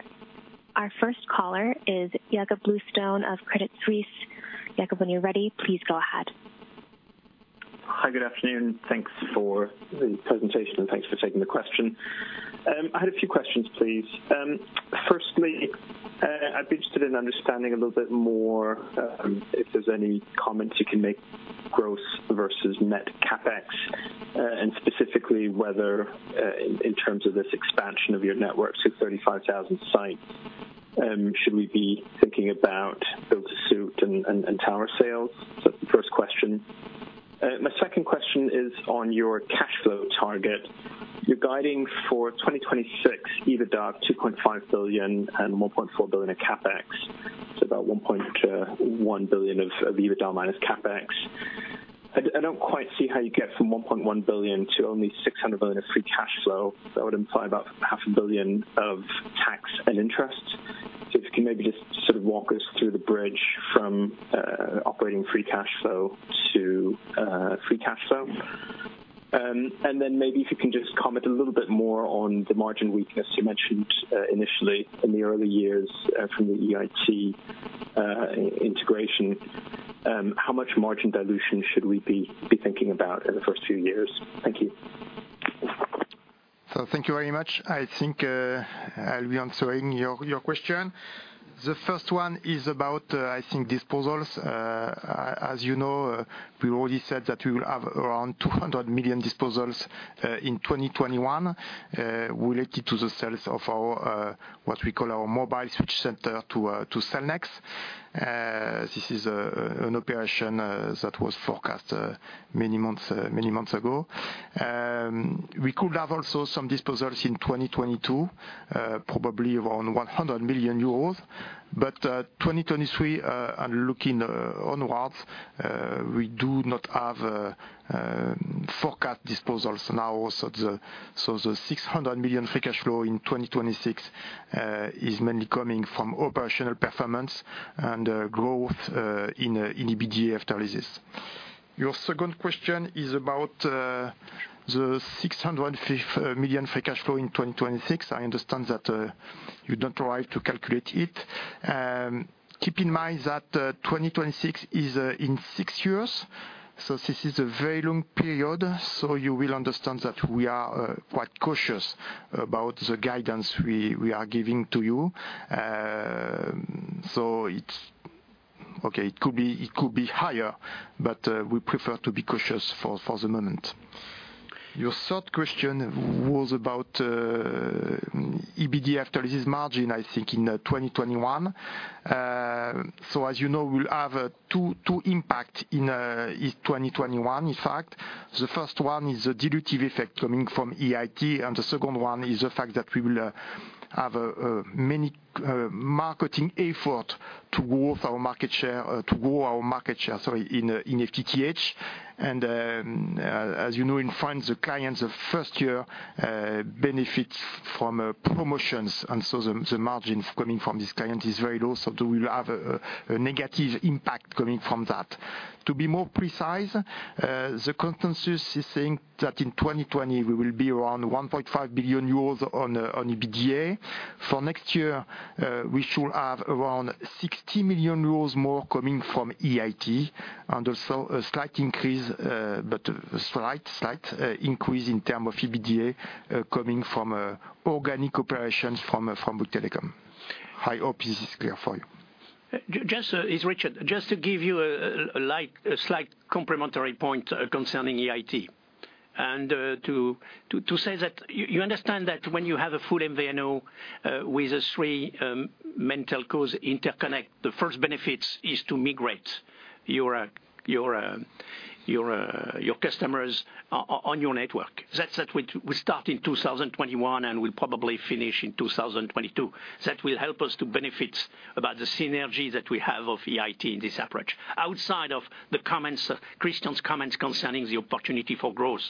Our first caller is Jakob Bluestone of Credit Suisse. Jakob, when you're ready, please go ahead. Hi. Good afternoon. Thanks for the presentation, thanks for taking the question. I had a few questions, please. Firstly, I'd be interested in understanding a little bit more if there's any comments you can make, gross versus net CapEx, specifically whether, in terms of this expansion of your network to 35,000 sites, should we be thinking about build-to-suit and tower sales? First question. My second question is on your cash flow target. You're guiding for 2026 EBITDA of 2.5 billion and 1.4 billion in CapEx to about 1.1 billion of EBITDA minus CapEx. I don't quite see how you get from 1.1 billion to only 600 million of free cash flow. That would imply about half a billion of tax and interest. If you can maybe just sort of walk us through the bridge from operating free cash flow to free cash flow. Maybe if you can just comment a little bit more on the margin weakness you mentioned initially in the early years from the EIT integration. How much margin dilution should we be thinking about in the first few years? Thank you. Thank you very much. I think I'll be answering your question. The first one is about, I think, disposals. As you know, we already said that we will have around 200 million disposals in 2021, related to the sales of what we call our mobile switch center to Cellnex. This is an operation that was forecast many months ago. We could have also some disposals in 2022, probably around 100 million euros. 2023, and looking onwards, we do not have forecast disposals now. The 600 million free cash flow in 2026 is mainly coming from operational performance and growth in EBITDA after Leases. Your second question is about the 605 million free cash flow in 2026. I understand that you don't try to calculate it. Keep in mind that 2026 is in six years, this is a very long period. You will understand that we are quite cautious about the guidance we are giving to you. It could be higher, but we prefer to be cautious for the moment. Your third question was about EBITDA after Leases margin, I think, in 2021. As you know, we'll have two impact in 2021. In fact, the first one is a dilutive effect coming from EIT, and the second one is the fact that we will have many marketing effort to grow our market share in FTTH. As you know, in France, the clients of first year benefits from promotions. The margin coming from this client is very low. We will have a negative impact coming from that. To be more precise, the consensus is saying that in 2020 we will be around 1.5 billion euros on EBITDA. For next year, we should have around 60 million euros more coming from EIT and also a slight increase, but slight increase in terms of EBITDA coming from organic operations from Bouygues Telecom. I hope this is clear for you. It's Richard. Just to give you a slight complimentary point concerning EIT, and to say that you understand that when you have a full MVNO with a three mental cause interconnect, the first benefits is to migrate your customers on your network. Such that we start in 2021, and we'll probably finish in 2022. That will help us to benefit about the synergy that we have of EIT in this approach. Outside of Christian's comments concerning the opportunity for growth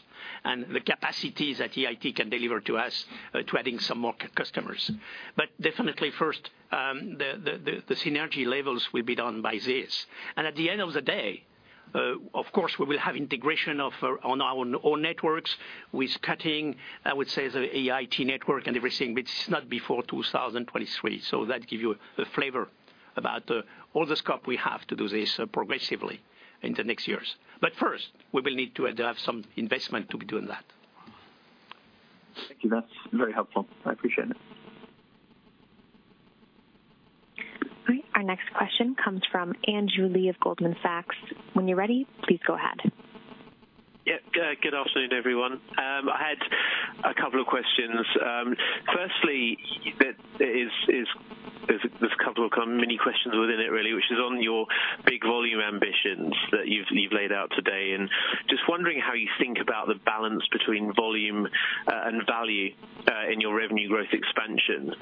and the capacities that EIT can deliver to us to adding some more customers. Definitely first, the synergy levels will be done by this. At the end of the day, of course, we will have integration on our own networks with cutting, I would say, the EIT network and everything, but it's not before 2023. That give you a flavor about all the scope we have to do this progressively in the next years. First, we will need to have some investment to be doing that. Thank you. That's very helpful. I appreciate it. All right. Our next question comes from Andrew Lee of Goldman Sachs. When you're ready, please go ahead. Good afternoon, everyone. I had a couple of questions. Firstly, there's a couple of kind of mini questions within it really, which is on your big volume ambitions that you've laid out today. Just wondering how you think about the balance between volume and value in your revenue growth expansion.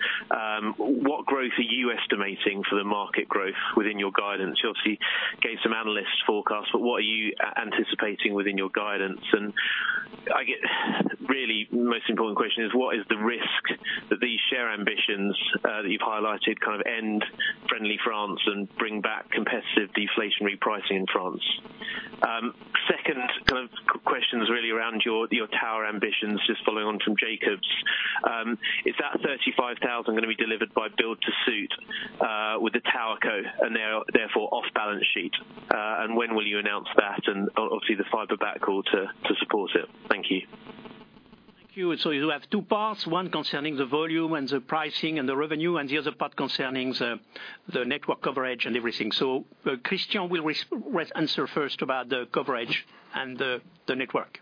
What growth are you estimating for the market growth within your guidance? You obviously gave some analyst forecasts. What are you anticipating within your guidance? I guess really the most important question is what is the risk that these share ambitions that you've highlighted kind of end friendly France and bring back competitive deflationary pricing in France? Second question is really around your tower ambitions, just following on from Jakob's. Is that 35,000 going to be delivered by build-to-suit with the TowerCo and therefore off balance sheet? When will you announce that and obviously the fiber backhaul to support it? Thank you. Thank you. You have two parts, one concerning the volume and the pricing and the revenue, and the other part concerning the network coverage and everything. Christian will answer first about the coverage and the network.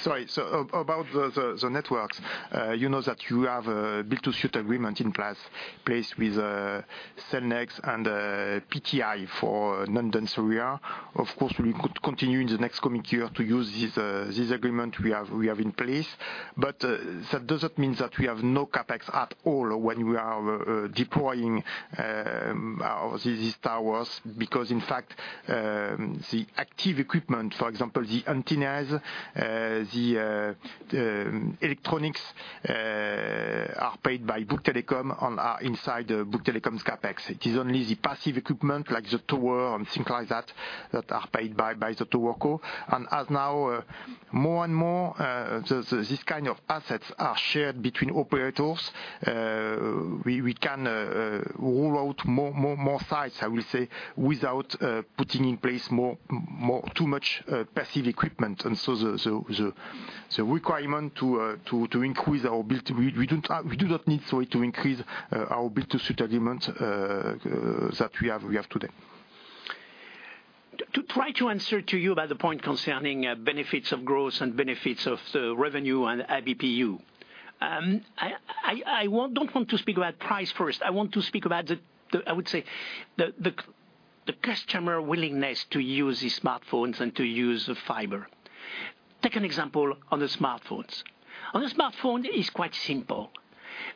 Sorry. About the networks. You know that you have a build-to-suit agreement in place with Cellnex and PTI for non-dense area. Of course, we could continue in the next coming year to use this agreement we have in place. That doesn't mean that we have no CapEx at all when we are deploying these towers because, in fact, the active equipment, for example, the antennas, the electronics are paid by Bouygues Telecom and are inside Bouygues Telecom's CapEx. It is only the passive equipment like the tower and things like that that are paid by the TowerCo. As now more and more these kind of assets are shared between operators, we can roll out more sites, I will say, without putting in place too much passive equipment. We do not need, sorry, to increase our build-to-suit agreements that we have today. To try to answer to you about the point concerning benefits of growth and benefits of the revenue and ABPU. I don't want to speak about price first. I want to speak about the, I would say the customer willingness to use these smartphones and to use the fiber. Take an example on the smartphones. On the smartphone is quite simple.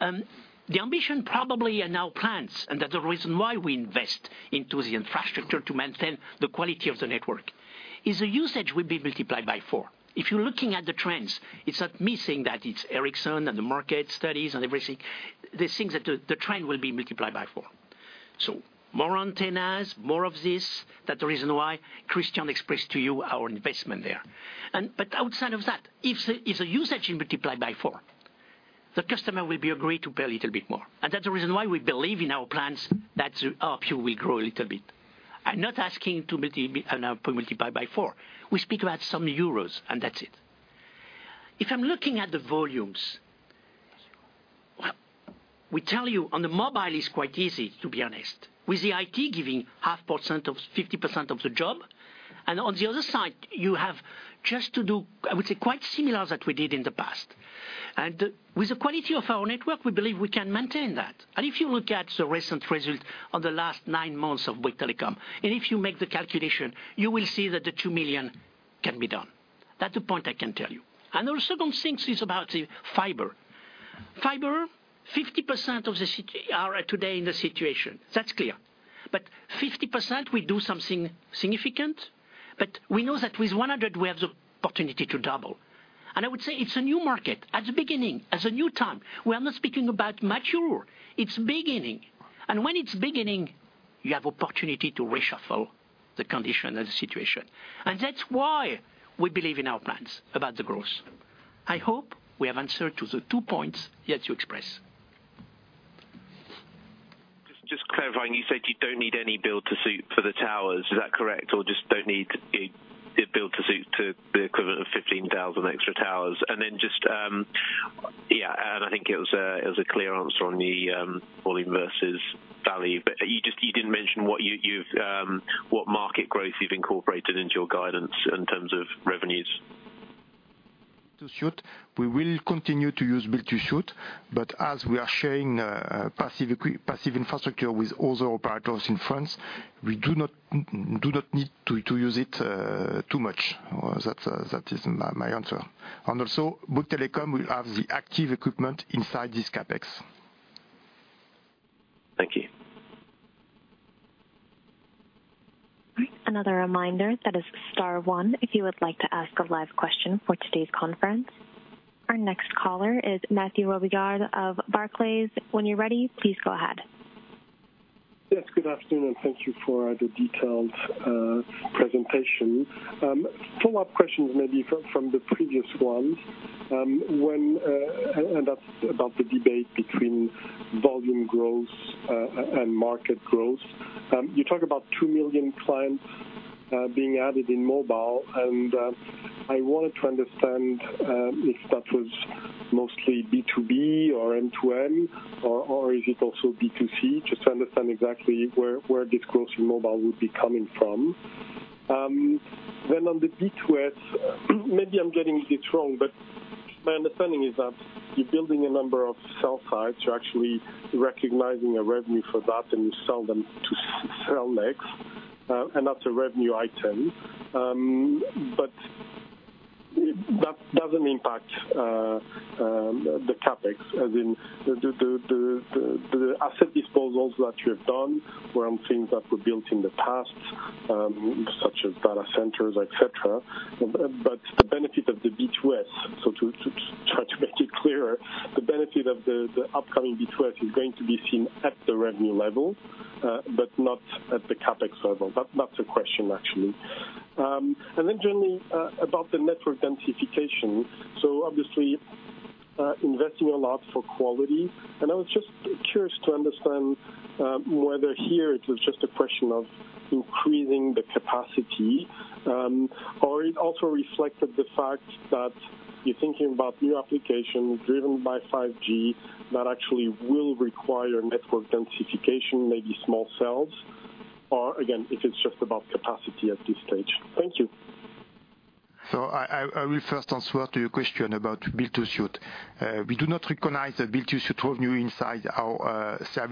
The ambition probably in our plans, and that's the reason why we invest into the infrastructure to maintain the quality of the network, is the usage will be multiplied by four. If you're looking at the trends, it's not me saying that, it's Ericsson and the market studies and everything. They think that the trend will be multiplied by four. More antennas, more of this, that's the reason why Christian expressed to you our investment there. Outside of that, if the usage can multiply by four, the customer will be agreed to pay a little bit more. That's the reason why we believe in our plans that our PU will grow a little bit. I'm not asking to multiply by four. We speak about some euros, and that's it. If I'm looking at the volumes, well, we tell you on the mobile it's quite easy, to be honest, with the EIT giving half percent of 50% of the job. On the other side, you have just to do, I would say, quite similar that we did in the past. With the quality of our network, we believe we can maintain that. If you look at the recent results of the last nine months of Bouygues Telecom, if you make the calculation, you will see that the 2 million can be done. That's the point I can tell you. The second thing is about the fiber. Fiber, 50% are today in the situation. That's clear. 50%, we do something significant, but we know that with 100, we have the opportunity to double. I would say it's a new market. At the beginning, as a new time. We are not speaking about mature. It's beginning. When it's beginning, you have opportunity to reshuffle the condition of the situation. That's why we believe in our plans about the growth. I hope we have answered to the two points that you expressed. Just clarifying, you said you don't need any build-to-suit for the towers. Is that correct? Just don't need build-to-suit to the equivalent of 15,000 extra towers? Just, yeah, I think it was a clear answer on the volume versus value. You didn't mention what market growth you've incorporated into your guidance in terms of revenues. To suit. We will continue to use build-to-suit, as we are sharing passive infrastructure with other operators in France, we do not need to use it too much. That is my answer. Also, Bouygues Telecom will have the active equipment inside this CapEx. Thank you. All right. Another reminder, that is star one if you would like to ask a live question for today's conference. Our next caller is Mathieu Robilliard of Barclays. When you're ready, please go ahead. Yes, good afternoon, thank you for the detailed presentation. Follow-up questions maybe from the previous ones, that's about the debate between volume growth and market growth. You talk about 2 million clients being added in mobile, I wanted to understand if that was mostly B2B or M2M, or is it also B2C? Just to understand exactly where this growth in mobile would be coming from. On the BTS, maybe I'm getting this wrong, but my understanding is that you're building a number of cell sites. You're actually recognizing a revenue for that, you sell them to Cellnex, and that's a revenue item. That doesn't impact the CapEx, as in the asset disposals that you have done were on things that were built in the past, such as data centers, et cetera. The benefit of the BTS, so to try to make it clearer, the benefit of the upcoming BTS is going to be seen at the revenue level, but not at the CapEx level. That's the question, actually. Generally, about the network densification. Obviously, investing a lot for quality. I was just curious to understand whether here it was just a question of increasing the capacity, or it also reflected the fact that you're thinking about new applications driven by 5G that actually will require network densification, maybe small cells, or again, if it's just about capacity at this stage. Thank you. I will first answer to your question about build-to-suit. We do not recognize the build-to-suit revenue inside our cell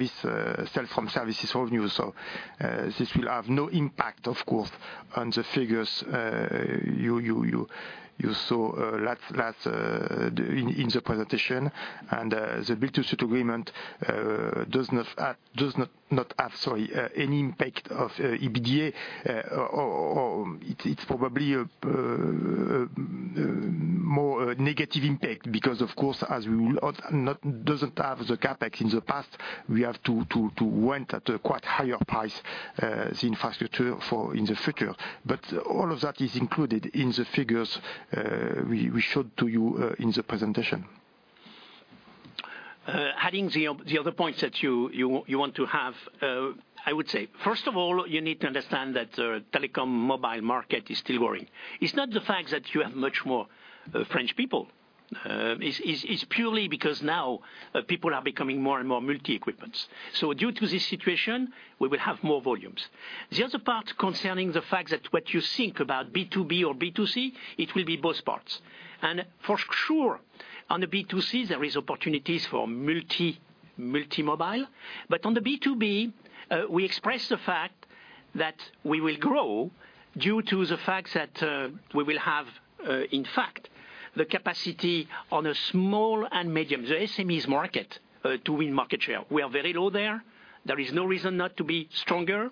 phone services revenue. This will have no impact, of course, on the figures you saw in the presentation. The build-to-suit agreement does not have any impact of EBITDA, or it's probably more negative impact because, of course, as we doesn't have the CapEx in the past, we have to went at a quite higher price the infrastructure in the future. All of that is included in the figures we showed to you in the presentation. Adding the other points that you want to have, I would say, first of all, you need to understand that telecom mobile market is still growing. It's not the fact that you have much more French people. It's purely because now people are becoming more and more multi-equipments. Due to this situation, we will have more volumes. The other part concerning the fact that what you think about B2B or B2C, it will be both parts. For sure on the B2C, there is opportunities for multi mobile. On the B2B, we express the fact that we will grow due to the fact that we will have, in fact, the capacity on a small and medium, the SMEs market, to win market share. We are very low there. There is no reason not to be stronger.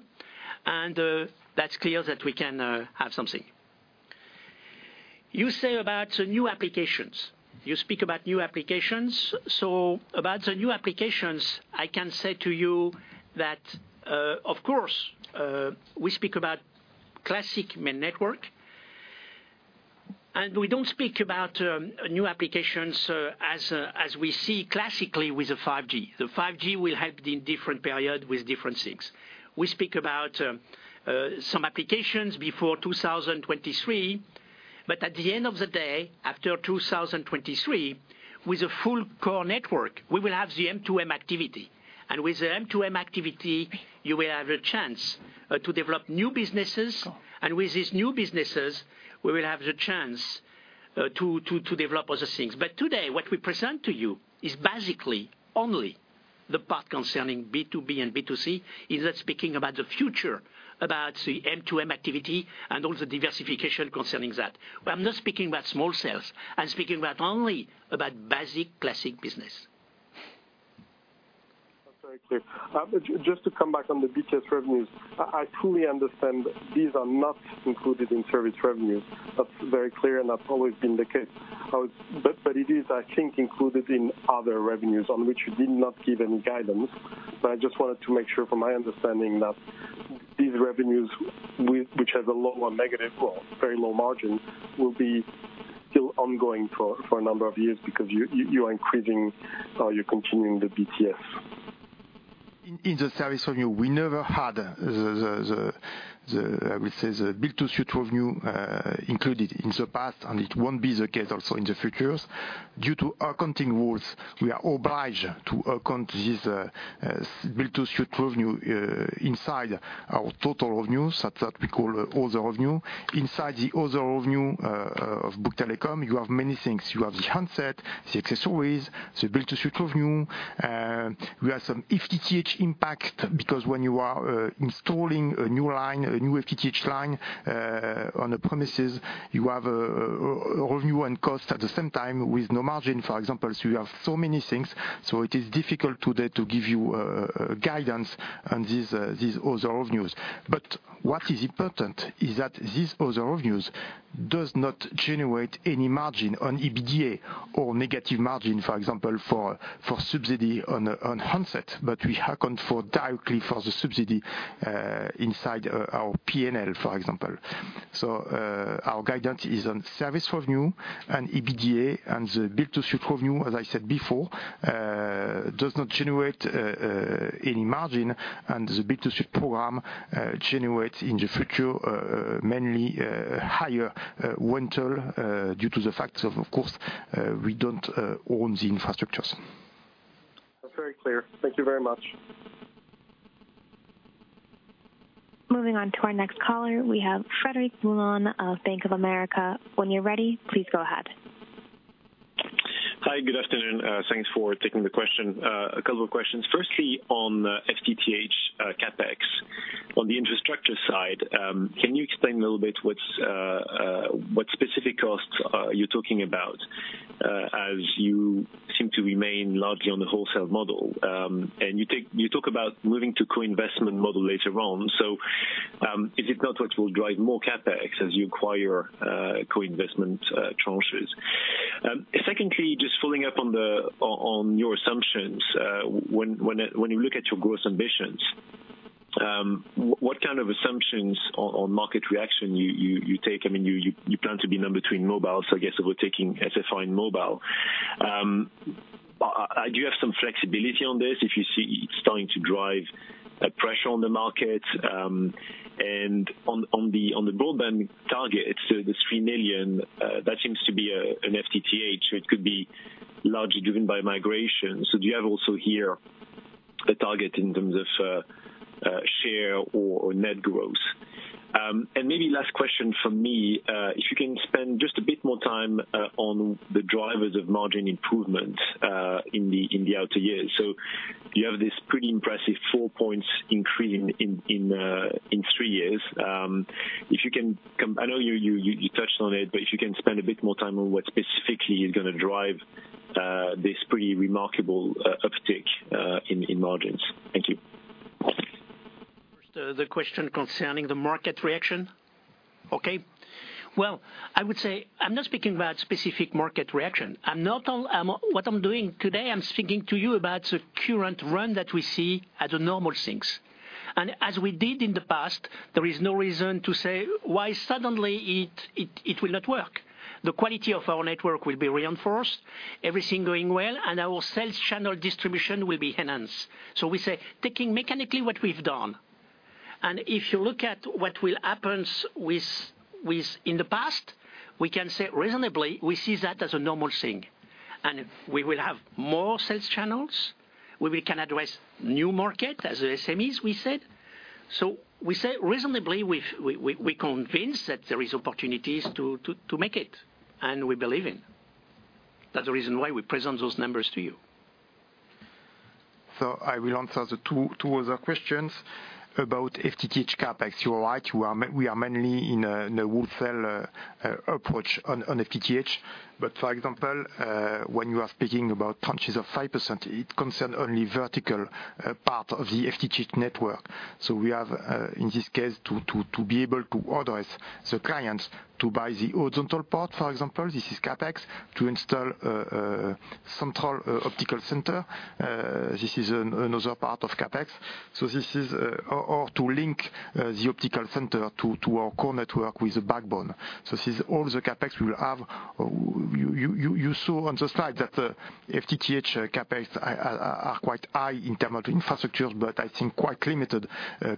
That's clear that we can have something. You say about the new applications. You speak about new applications. About the new applications, I can say to you that, of course, we speak about classic main network, and we don't speak about new applications as we see classically with the 5G. The 5G will help in different period with different things. We speak about some applications before 2023, but at the end of the day, after 2023, with a full core network, we will have the M2M activity. With the M2M activity, you will have a chance to develop new businesses. With these new businesses, we will have the chance to develop other things. Today, what we present to you is basically only the part concerning B2B and B2C, is not speaking about the future, about the M2M activity, and all the diversification concerning that. I'm not speaking about small cells. I'm speaking about only about basic classic business. That's very clear. Just to come back on the BTS revenues, I truly understand these are not included in service revenues. That's very clear, and that's always been the case. It is, I think, included in other revenues on which you did not give any guidance. I just wanted to make sure from my understanding that these revenues, which have a lower negative growth, very low margins, will be still ongoing for a number of years because you are increasing or you're continuing the BTS. In the service revenue, we never had the, I would say, the build-to-suit revenue included in the past. It won't be the case also in the future. Due to accounting rules, we are obliged to account this build-to-suit revenue inside our total revenue. That we call other revenue. Inside the other revenue of Bouygues Telecom, you have many things. You have the handset, the accessories, the build-to-suit revenue. We have some FTTH impact because when you are installing a new line, a new FTTH line on the premises, you have a revenue and cost at the same time with no margin, for example. You have so many things. It is difficult today to give you guidance on these other revenues. What is important is that these other revenues does not generate any margin on EBITDA or negative margin, for example, for subsidy on handset. We account for directly for the subsidy inside our P&L, for example. Our guidance is on service revenue and EBITDA and the build-to-suit revenue, as I said before, does not generate any margin. The build-to-suit program generates in the future, mainly higher rental, due to the fact of course, we don't own the infrastructures. That's very clear. Thank you very much. Moving on to our next caller. We have Frederic Boulan of Bank of America. When you're ready, please go ahead. Hi. Good afternoon. Thanks for taking the question. A couple of questions. Firstly, on FTTH CapEx. On the infrastructure side, can you explain a little bit what specific costs are you talking about, as you seem to remain largely on the wholesale model. You talk about moving to co-investment model later on. Is it not what will drive more CapEx as you acquire co-investment tranches? Secondly, just following up on your assumptions. When you look at your growth ambitions, what kind of assumptions on market reaction you take? You plan to be number two in mobile. I guess we're taking SFR in mobile. Do you have some flexibility on this if you see it's starting to drive pressure on the market? On the broadband target, so this 3 million, that seems to be an FTTH, so it could be largely driven by migration. Do you have also here a target in terms of share or net growth? Maybe last question from me, if you can spend just a bit more time on the drivers of margin improvement in the outer years. You have this pretty impressive 4 points increase in three years. I know you touched on it, but if you can spend a bit more time on what specifically is going to drive this pretty remarkable uptick in margins. Thank you. First, the question concerning the market reaction. Okay. Well, I would say I'm not speaking about specific market reaction. What I'm doing today, I'm speaking to you about the current run that we see as a normal things. As we did in the past, there is no reason to say why suddenly it will not work. The quality of our network will be reinforced, everything going well, and our sales channel distribution will be enhanced. We say, taking mechanically what we've done, and if you look at what will happens in the past, we can say reasonably, we see that as a normal thing. We will have more sales channels, where we can address new market as the SMEs we said. We say reasonably, we convince that there is opportunities to make it, and we believe in. That's the reason why we present those numbers to you. I will answer the two other questions about FTTH CapEx. You are right, we are mainly in a wholesale approach on FTTH. For example, when you are speaking about tranches of 5%, it concern only vertical part of the FTTH network. We have, in this case, to be able to address the clients to buy the horizontal part, for example, this is CapEx. To install central optical center, this is another part of CapEx. To link the optical center to our core network with the backbone. This is all the CapEx we will have. You saw on the slide that the FTTH CapEx are quite high in terms of infrastructure, but I think quite limited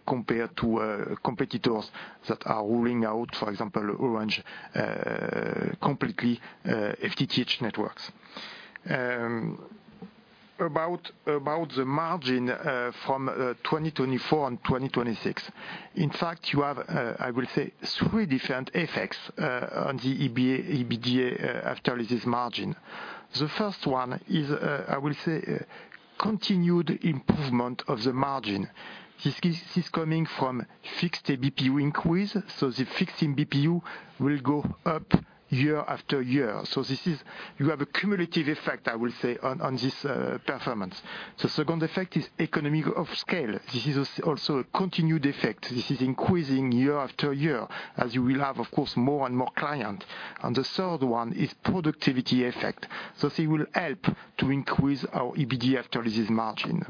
compared to competitors that are ruling out, for example, Orange completely FTTH networks. About the margin from 2024 and 2026. In fact, you have I will say three different effects on the EBITDA after Leases margin. The first one is, I will say, continued improvement of the margin. This is coming from fixed ABPU increase, the fixed ABPU will go up year-after-year. You have a cumulative effect, I will say, on this performance. The second effect is economy of scale. This is also a continued effect. This is increasing year-after-year, as you will have, of course, more and more client. The third one is productivity effect. They will help to increase our EBITDA after Leases margin.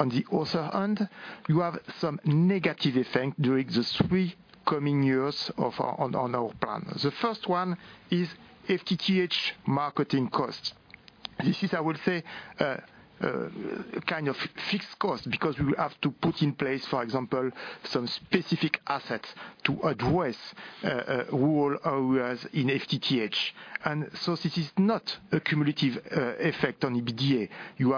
On the other hand, you have some negative effect during the three coming years on our plan. The first one is FTTH marketing cost. This is, I will say, kind of fixed cost because we will have to put in place, for example, some specific assets to address rural areas in FTTH. This is not a cumulative effect on EBITDA. You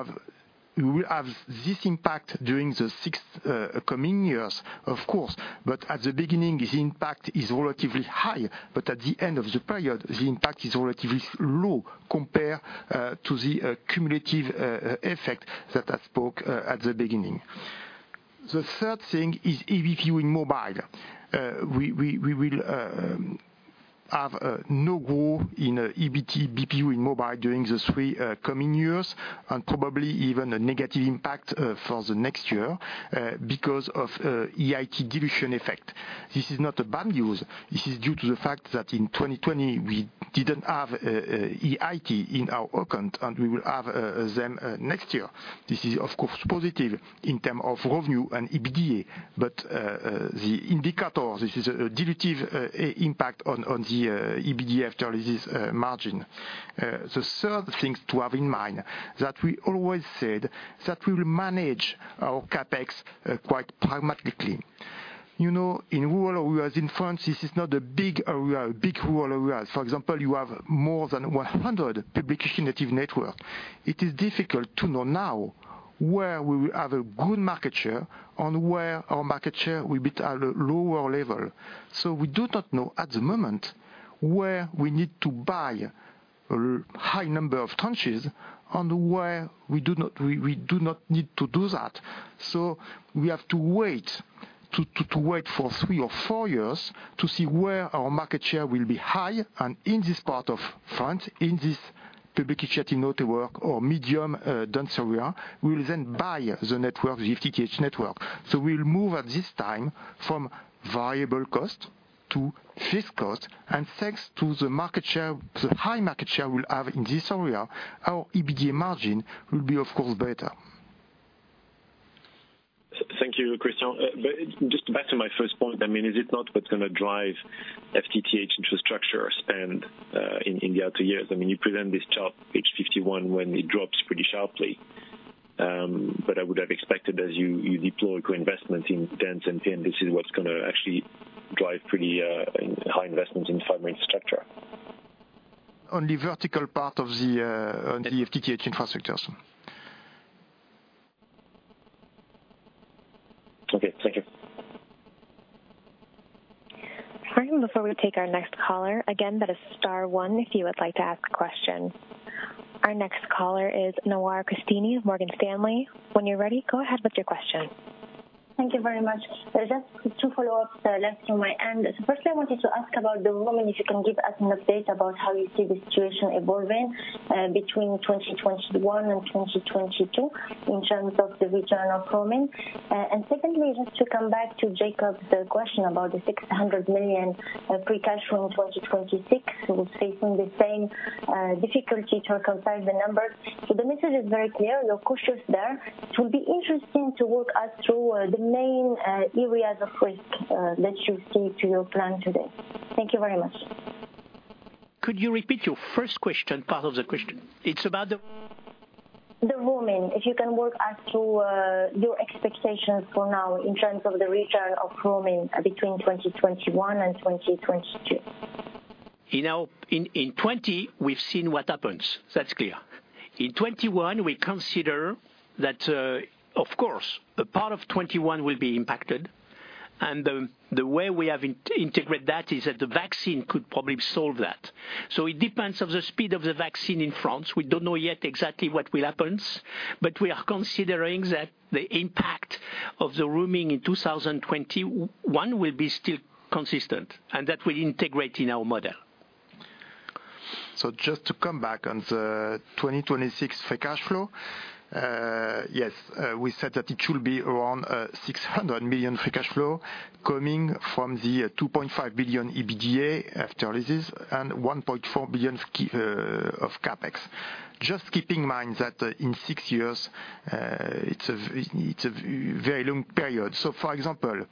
will have this impact during the six coming years, of course, but at the beginning, the impact is relatively high. At the end of the period, the impact is relatively low compared to the cumulative effect that I spoke at the beginning. The third thing is ABPU in mobile. We will have no growth in EBT ABPU in mobile during the three coming years, and probably even a negative impact for the next year because of EIT dilution effect. This is not bad news. This is due to the fact that in 2020, we didn't have EIT in our account, and we will have them next year. This is, of course, positive in terms of revenue and EBITDA. The indicator, this is a dilutive impact on the EBITDA after Leases margin. The third thing to have in mind, that we always said that we will manage our CapEx quite pragmatically. In rural areas in France, this is not a big rural area. For example, you have more than 100 public initiative networks. It is difficult to know now where we will have a good market share and where our market share will be at a lower-level. We do not know at the moment where we need to buy a high number of tranches and where we do not need to do that. We have to wait for three or four years to see where our market share will be high. In this part of France, in this public initiative network or medium-dense area, we will then buy the FTTH network. We'll move at this time from variable cost to fixed cost. Thanks to the high market share we'll have in this area, our EBITDA margin will be, of course, better. Thank you, Christian. Just back to my first point. Is it not what's going to drive FTTH infrastructure spend in the other two years? You present this chart, page 51, when it drops pretty sharply. I would have expected as you deploy co-investment in dense and thin, this is what's going to actually drive pretty high investments in fiber infrastructure. Only vertical part of the FTTH infrastructures. Okay. Thank you. All right. Our next caller is Nawa Christine of Morgan Stanley. When you're ready, go ahead with your question. Thank you very much. Just two follow-ups left to my end. Firstly, I wanted to ask about the roaming, if you can give us an update about how you see the situation evolving between 2021 and 2022 in terms of the regional roaming. Secondly, just to come back to Jakob's question about the 600 million free cash from 2026. We're facing the same difficulty to reconcile the numbers. The message is very clear, you're cautious there. It will be interesting to walk us through the main areas of risk that you see to your plan today. Thank you very much. Could you repeat your first question, part of the question? The roaming. If you can walk us through your expectations for now in terms of the return of roaming between 2021 and 2022. In 2020, we've seen what happens. That's clear. In 2021, we consider that, of course, a part of 2021 will be impacted. The way we have integrated that is that the vaccine could probably solve that. It depends on the speed of the vaccine in France. We don't know yet exactly what will happen. We are considering that the impact of the roaming in 2021 will be still consistent, and that will integrate in our model. Just to come back on the 2026 free cash flow. Yes, we said that it should be around 600 million free cash flow coming from the 2.5 billion EBITDA after Leases and 1.4 billion of CapEx. Just keep in mind that in six years, it's a very long period. For example,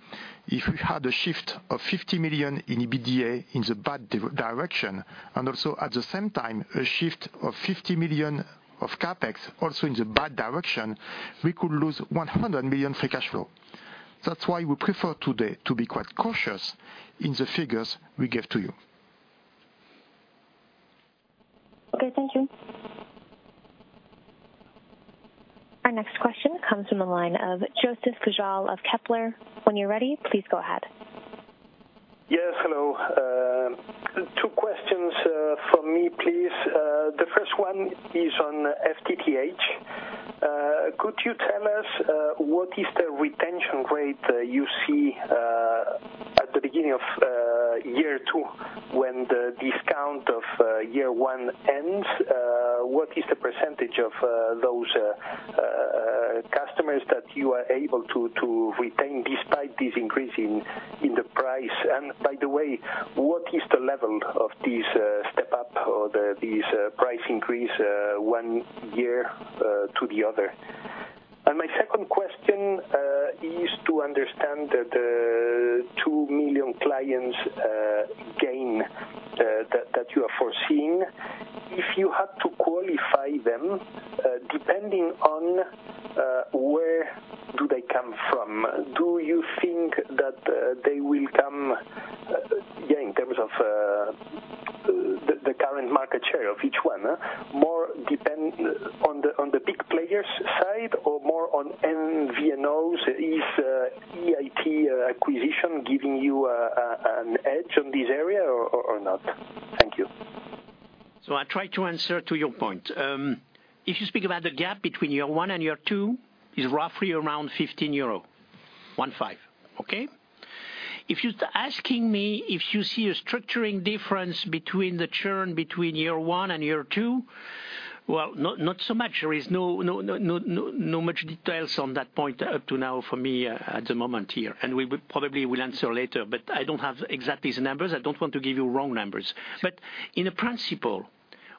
if we had a shift of 50 million in EBITDA in the bad direction, and also at the same time, a shift of 50 million of CapEx also in the bad direction, we could lose 100 million free cash flow. That's why we prefer today to be quite cautious in the figures we give to you. Okay. Thank you. Our next question comes from the line of Joseph Pujal of Kepler. When you're ready, please go ahead. Yes. Hello. Two questions from me, please. The first one is on FTTH. Could you tell us what is the retention rate you see at the beginning of year two when the discount of year one ends? What is the percentage of those customers that you are able to retain despite this increase in the price? By the way, what is the level of this step-up or this price increase one year to the other? My second question is to understand that the 2 million clients gain that you are foreseeing. If you had to qualify them depending on where do they come from, do you think that they will come, in terms of the current market share of each one more depend on the big players side or more on MVNOs? Is EIT acquisition giving you an edge on this area or not? Thank you. I try to answer to your point. If you speak about the gap between year one and year two, it's roughly around 15 euro. One five. Okay? If you're asking me if you see a structuring difference between the churn between year one and year two. Not so much. There is not much details on that point up to now for me at the moment here, and we would probably will answer later. I don't have exactly the numbers. I don't want to give you wrong numbers. In principle,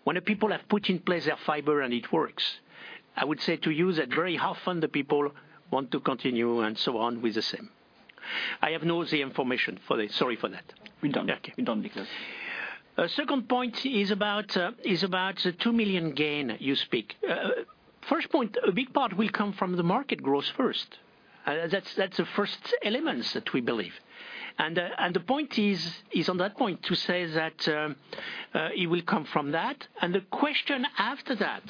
when people have put in place their fiber and it works, I would say to you that very often the people want to continue and so on with the same. I have not the information for this. Sorry for that. We don't. Okay. We don't because. Second point is about the 2 million gain you speak. First point, a big part will come from the market growth first. That's the first elements that we believe. The point is on that point to say that it will come from that. The question after that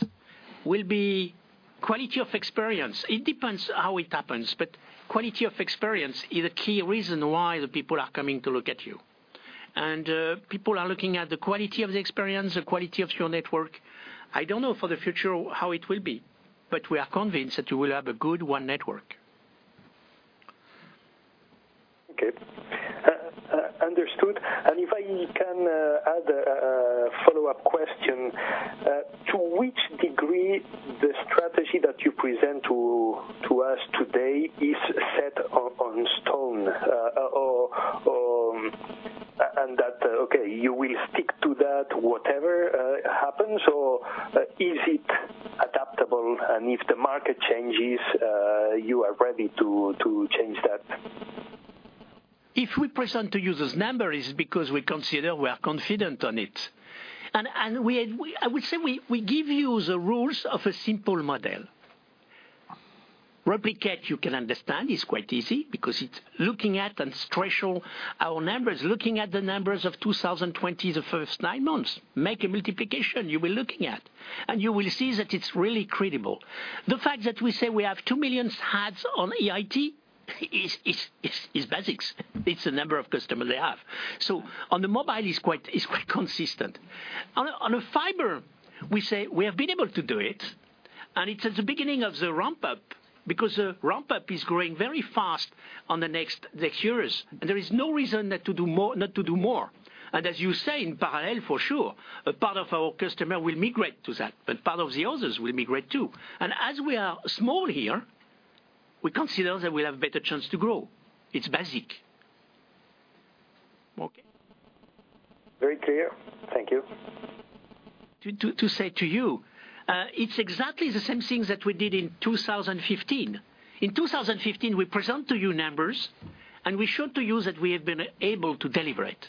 will be quality of experience. It depends how it happens, but quality of experience is a key reason why the people are coming to look at you. People are looking at the quality of the experience, the quality of your network. I don't know for the future how it will be, but we are convinced that we will have a good one network. Okay. Understood. If I can add a follow-up question. To which degree the strategy that you present to us today is set in stone, and that, okay, you will stick to that whatever happens, or is it adaptable and if the market changes, you are ready to change that? If we present to you those numbers, it's because we consider we are confident on it. I would say we give you the rules of a simple model. Replicate, you can understand, is quite easy because it's looking at and stress our numbers, looking at the numbers of 2020 the first nine months. Make a multiplication you were looking at, and you will see that it's really credible. The fact that we say we have 2 million adds on EIT is basics. It's the number of customers they have. On the mobile is quite consistent. On fiber, we say we have been able to do it, and it's at the beginning of the ramp up because the ramp up is growing very fast on the next years. There is no reason not to do more. As you say, in parallel, for sure, a part of our customer will migrate to that, but part of the others will migrate, too. As we are small here, we consider that we'll have better chance to grow. It's basic. Okay. Very clear. Thank you. To say to you, it's exactly the same thing that we did in 2015. In 2015, we present to you numbers, and we showed to you that we have been able to deliver it.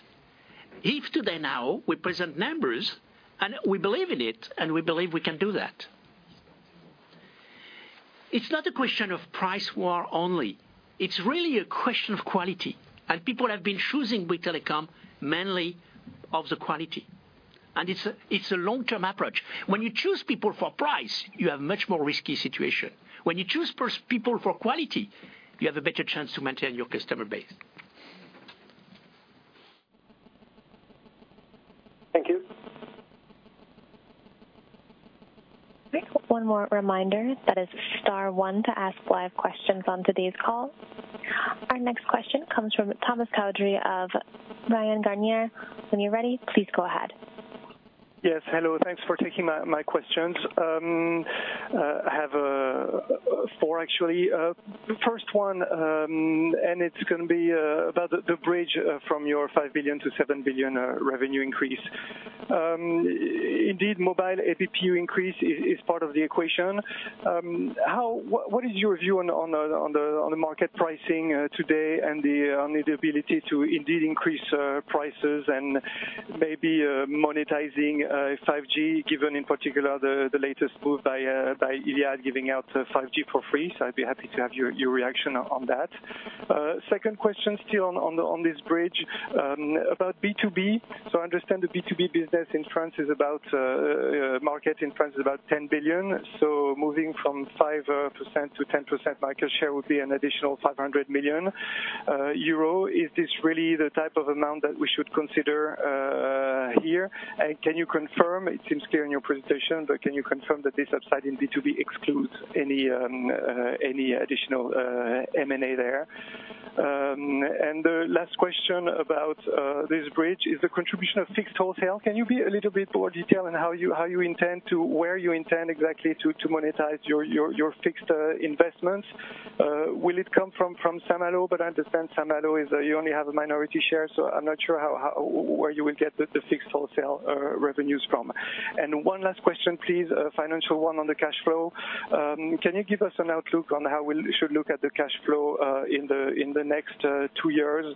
If today now we present numbers and we believe in it, and we believe we can do that. It's not a question of price war only. It's really a question of quality. People have been choosing Bouygues Telecom mainly of the quality. It's a long-term approach. When you choose people for price, you have much more risky situation. When you choose people for quality, you have a better chance to maintain your customer base. Thank you. Our next question comes from Thomas Coudry of Bryan Garnier. When you're ready, please go ahead. Yes, hello. Thanks for taking my questions. I have four actually. First one, it's going to be about the bridge from your 5 billion-7 billion revenue increase. Indeed, mobile ABPU increase is part of the equation. What is your view on the market pricing today and on the ability to indeed increase prices and maybe monetizing 5G, given in particular the latest move by Iliad giving out 5G for free? I'd be happy to have your reaction on that. Second question still on this bridge about B2B. I understand the B2B business market in France is about 10 billion. Moving from 5% to 10% market share would be an additional 500 million euro. Is this really the type of amount that we should consider here? It seems clear in your presentation, but can you confirm that this upside in B2B excludes any additional M&A there? The last question about this bridge is the contribution of fixed wholesale. Can you be a little bit more detailed on where you intend exactly to monetize your fixed investments? Will it come from Saint-Malo? I understand Saint-Malo is you only have a minority share, so I'm not sure where you will get the fixed wholesale revenues from. One last question, please, financial one on the cash flow. Can you give us an outlook on how we should look at the cash flow in the next two years,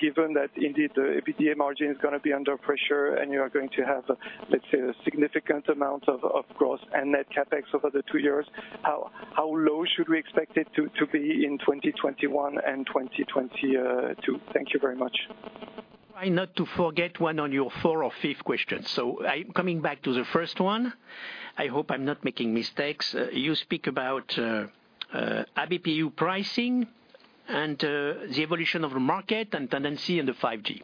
given that indeed the EBITDA margin is going to be under pressure and you are going to have, let's say, a significant amount of gross and net CapEx over the two years. How low should we expect it to be in 2021 and 2022? Thank you very much. Try not to forget one on your four or fifth question. Coming back to the first one, I hope I'm not making mistakes. You speak about ABPU pricing and the evolution of the market and tendency in the 5G.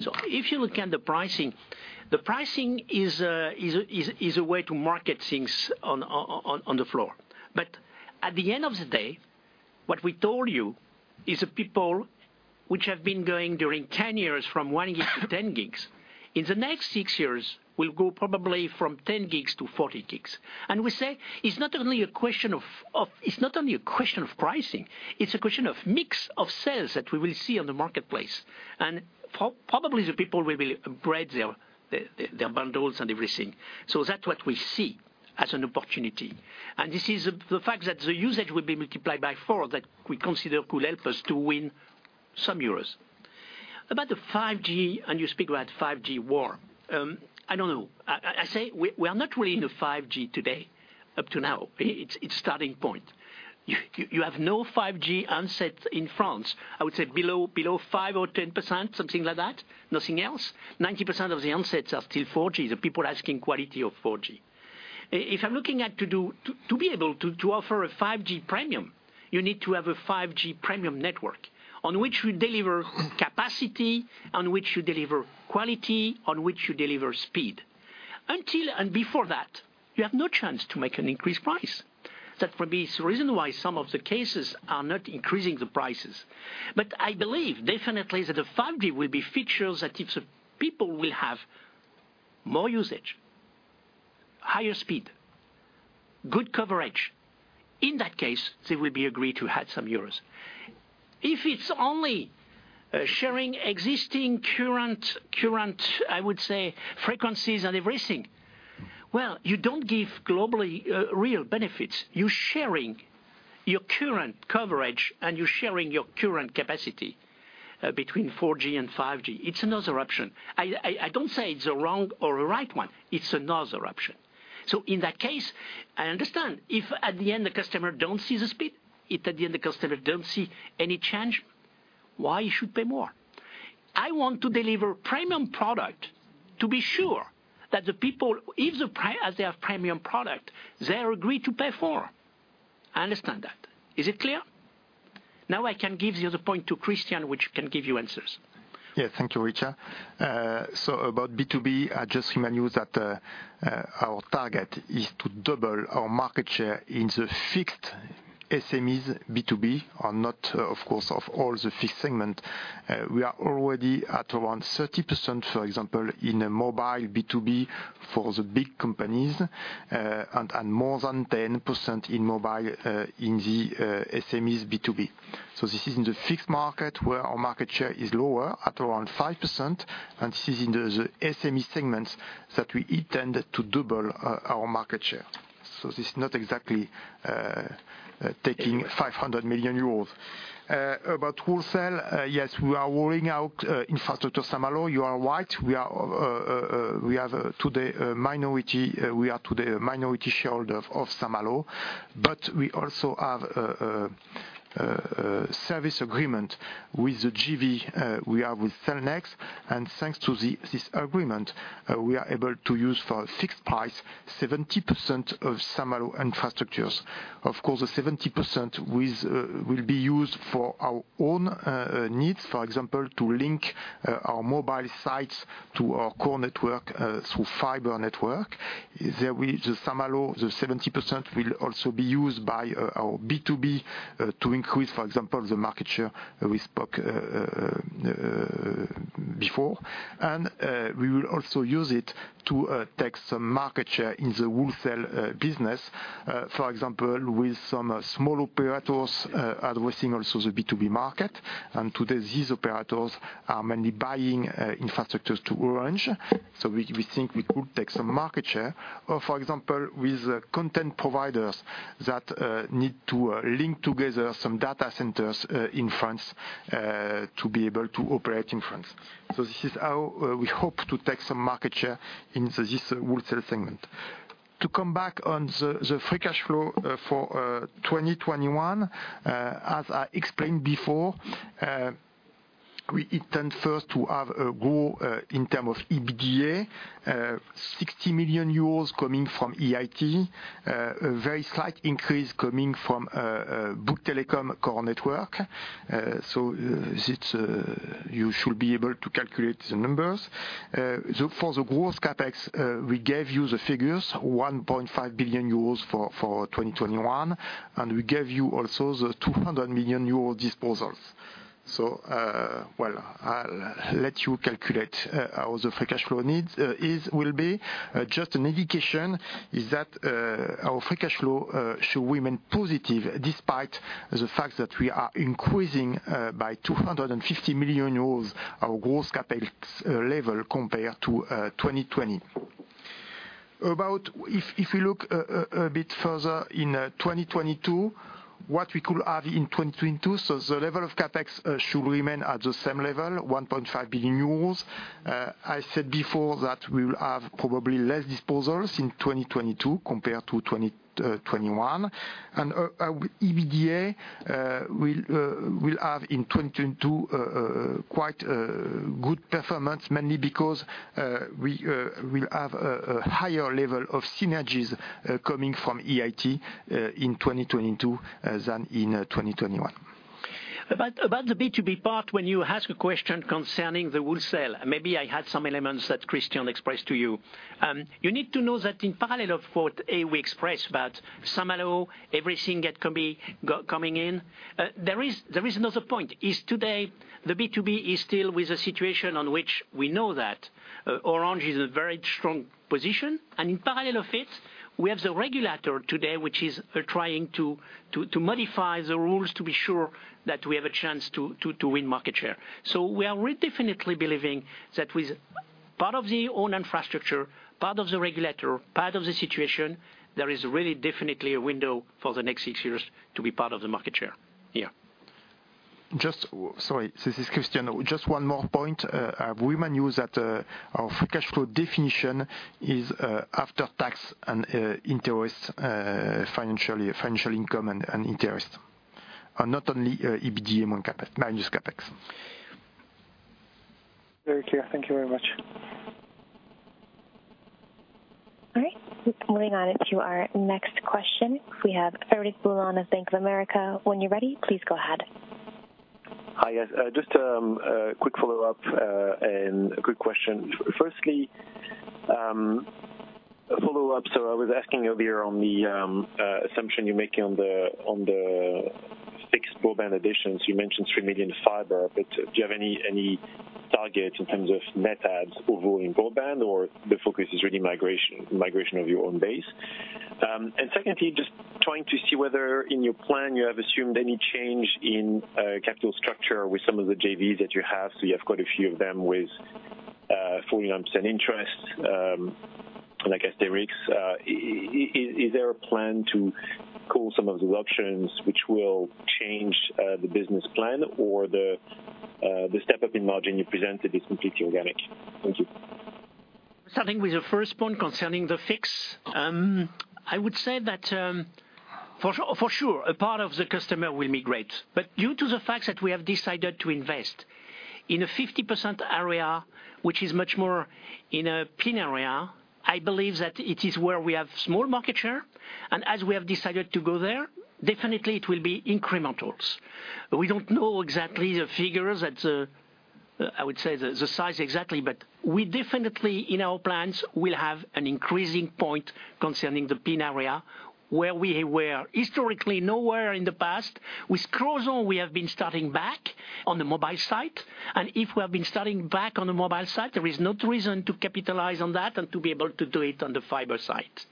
If you look at the pricing, the pricing is a way to market things on the floor. At the end of the day. What we told you is the people which have been going during 10 years from 1 GB to 10 GB, in the next six years will go probably from 10 GB to 40 GB. We say it's not only a question of pricing, it's a question of mix of sales that we will see on the marketplace. Probably the people will upgrade their bundles and everything. That's what we see as an opportunity. This is the fact that the usage will be multiplied by four that we consider could help us to win some euros. About the 5G, and you speak about 5G war. I don't know. I say we are not really in a 5G today up to now. It's starting point. You have no 5G handsets in France. I would say below 5% or 10%, something like that. Nothing else. 90% of the handsets are still 4G, the people asking quality of 4G. If I'm looking at to be able to offer a 5G premium, you need to have a 5G premium network on which you deliver capacity, on which you deliver quality, on which you deliver speed. Until and before that, you have no chance to make an increased price. That would be the reason why some of the cases are not increasing the prices. I believe definitely that the 5G will be features that if people will have more usage, higher speed, good coverage, in that case, they will be agreed to add some euros. If it's only sharing existing current, I would say frequencies and everything, well, you don't give globally real benefits. You're sharing your current coverage and you're sharing your current capacity between 4G and 5G. It's another option. I don't say it's a wrong or a right one. It's another option. In that case, I understand if at the end the customer don't see the speed, if at the end the customer don't see any change, why you should pay more? I want to deliver premium product to be sure that the people, as they have premium product, they agree to pay for. I understand that. Is it clear? Now I can give the other point to Christian, which can give you answers. Yes. Thank you, Richard. About B2B, I just remind you that our target is to double our market share in the fixed SMEs B2B are not, of course, of all the fixed segment. We are already at around 30%, for example, in a mobile B2B for the big companies, and more than 10% in mobile in the SMEs B2B. This is in the fixed market where our market share is lower at around 5%, and this is in the SME segments that we intend to double our market share. This is not exactly taking 500 million euros. About wholesale, yes, we are rolling out infrastructure Saint-Malo. You are right. We are today a minority shareholder of Saint-Malo. We also have a service agreement with the JV we have with Cellnex. Thanks to this agreement, we are able to use for fixed price 70% of Saint-Malo infrastructures. Of course, the 70% will be used for our own needs. For example, to link our mobile sites to our core network through fiber network. The Saint-Malo, the 70% will also be used by our B2B to increase, for example, the market share we spoke before. We will also use it to take some market share in the wholesale business. For example, with some small operators addressing also the B2B market. Today these operators are mainly buying infrastructures to Orange. We think we could take some market share. For example, with content providers that need to link together some data centers in France to be able to operate in France. This is how we hope to take some market share in this wholesale segment. To come back on the free cash flow for 2021, as I explained before, we intend first to have a growth in term of EBITDA, 60 million euros coming from EIT. A very slight increase coming from Bouygues Telecom core network. You should be able to calculate the numbers. For the gross CapEx, we gave you the figures, 1.5 billion euros for 2021. We gave you also the 200 million euros disposals. Well, I'll let you calculate how the free cash flow will be. Just an indication is that our free cash flow should remain positive despite the fact that we are increasing by 250 million euros our gross CapEx level compared to 2020. If we look a bit further in 2022, what we could have in 2022, so the level of CapEx should remain at the same level, 1.5 billion euros. I said before that we will have probably less disposals in 2022 compared to 2021. Our EBITDA will have in 2022 quite a good performance mainly because we'll have a higher level of synergies coming from EIT in 2022 than in 2021. About the B2B part, when you ask a question concerning the wholesale, maybe I had some elements that Christian expressed to you. You need to know that in parallel of what we expressed about Saint-Malo, everything that can be coming in. There is another point, is today the B2B is still with the situation on which we know that Orange is a very strong position. In parallel of it, we have the regulator today, which is trying to modify the rules to be sure that we have a chance to win market share. We are really definitely believing that with part of the own infrastructure, part of the regulator, part of the situation, there is really definitely a window for the next six years to be part of the market share here. Sorry, this is Christian. Just one more point. We may use that our free cash flow definition is after tax and interest financially, financial income and interest. Not only EBITDA minus CapEx. Very clear. Thank you very much. All right. Moving on to our next question. We have Frederic Boulan, Bank of America. When you're ready, please go ahead. Hi, guys. Just a quick follow-up and a quick question. Firstly, a follow-up. I was asking earlier on the assumption you're making on the fixed broadband additions. You mentioned 3 million fiber, do you have any targets in terms of net adds overall in broadband or the focus is really migration of your own base? Secondly, just trying to see whether in your plan you have assumed any change in capital structure with some of the JVs that you have. You have quite a few of them with full lumps and interest, like Asterix. Is there a plan to call some of the options which will change the business plan or the step up in margin you presented is completely organic? Thank you. Starting with the first point concerning the fix. I would say that for sure, a part of the customer will migrate. Due to the fact that we have decided to invest in a 50% area, which is much more in a PME area, I believe that it is where we have small market share. As we have decided to go there, definitely it will be incrementals. We don't know exactly the figures at, I would say, the size exactly, but we definitely in our plans will have an increasing point concerning the PME area where we were historically nowhere in the past. With Crozon, we have been starting back on the mobile site. If we have been starting back on the mobile site, there is no reason to capitalize on that and to be able to do it on the fiber site.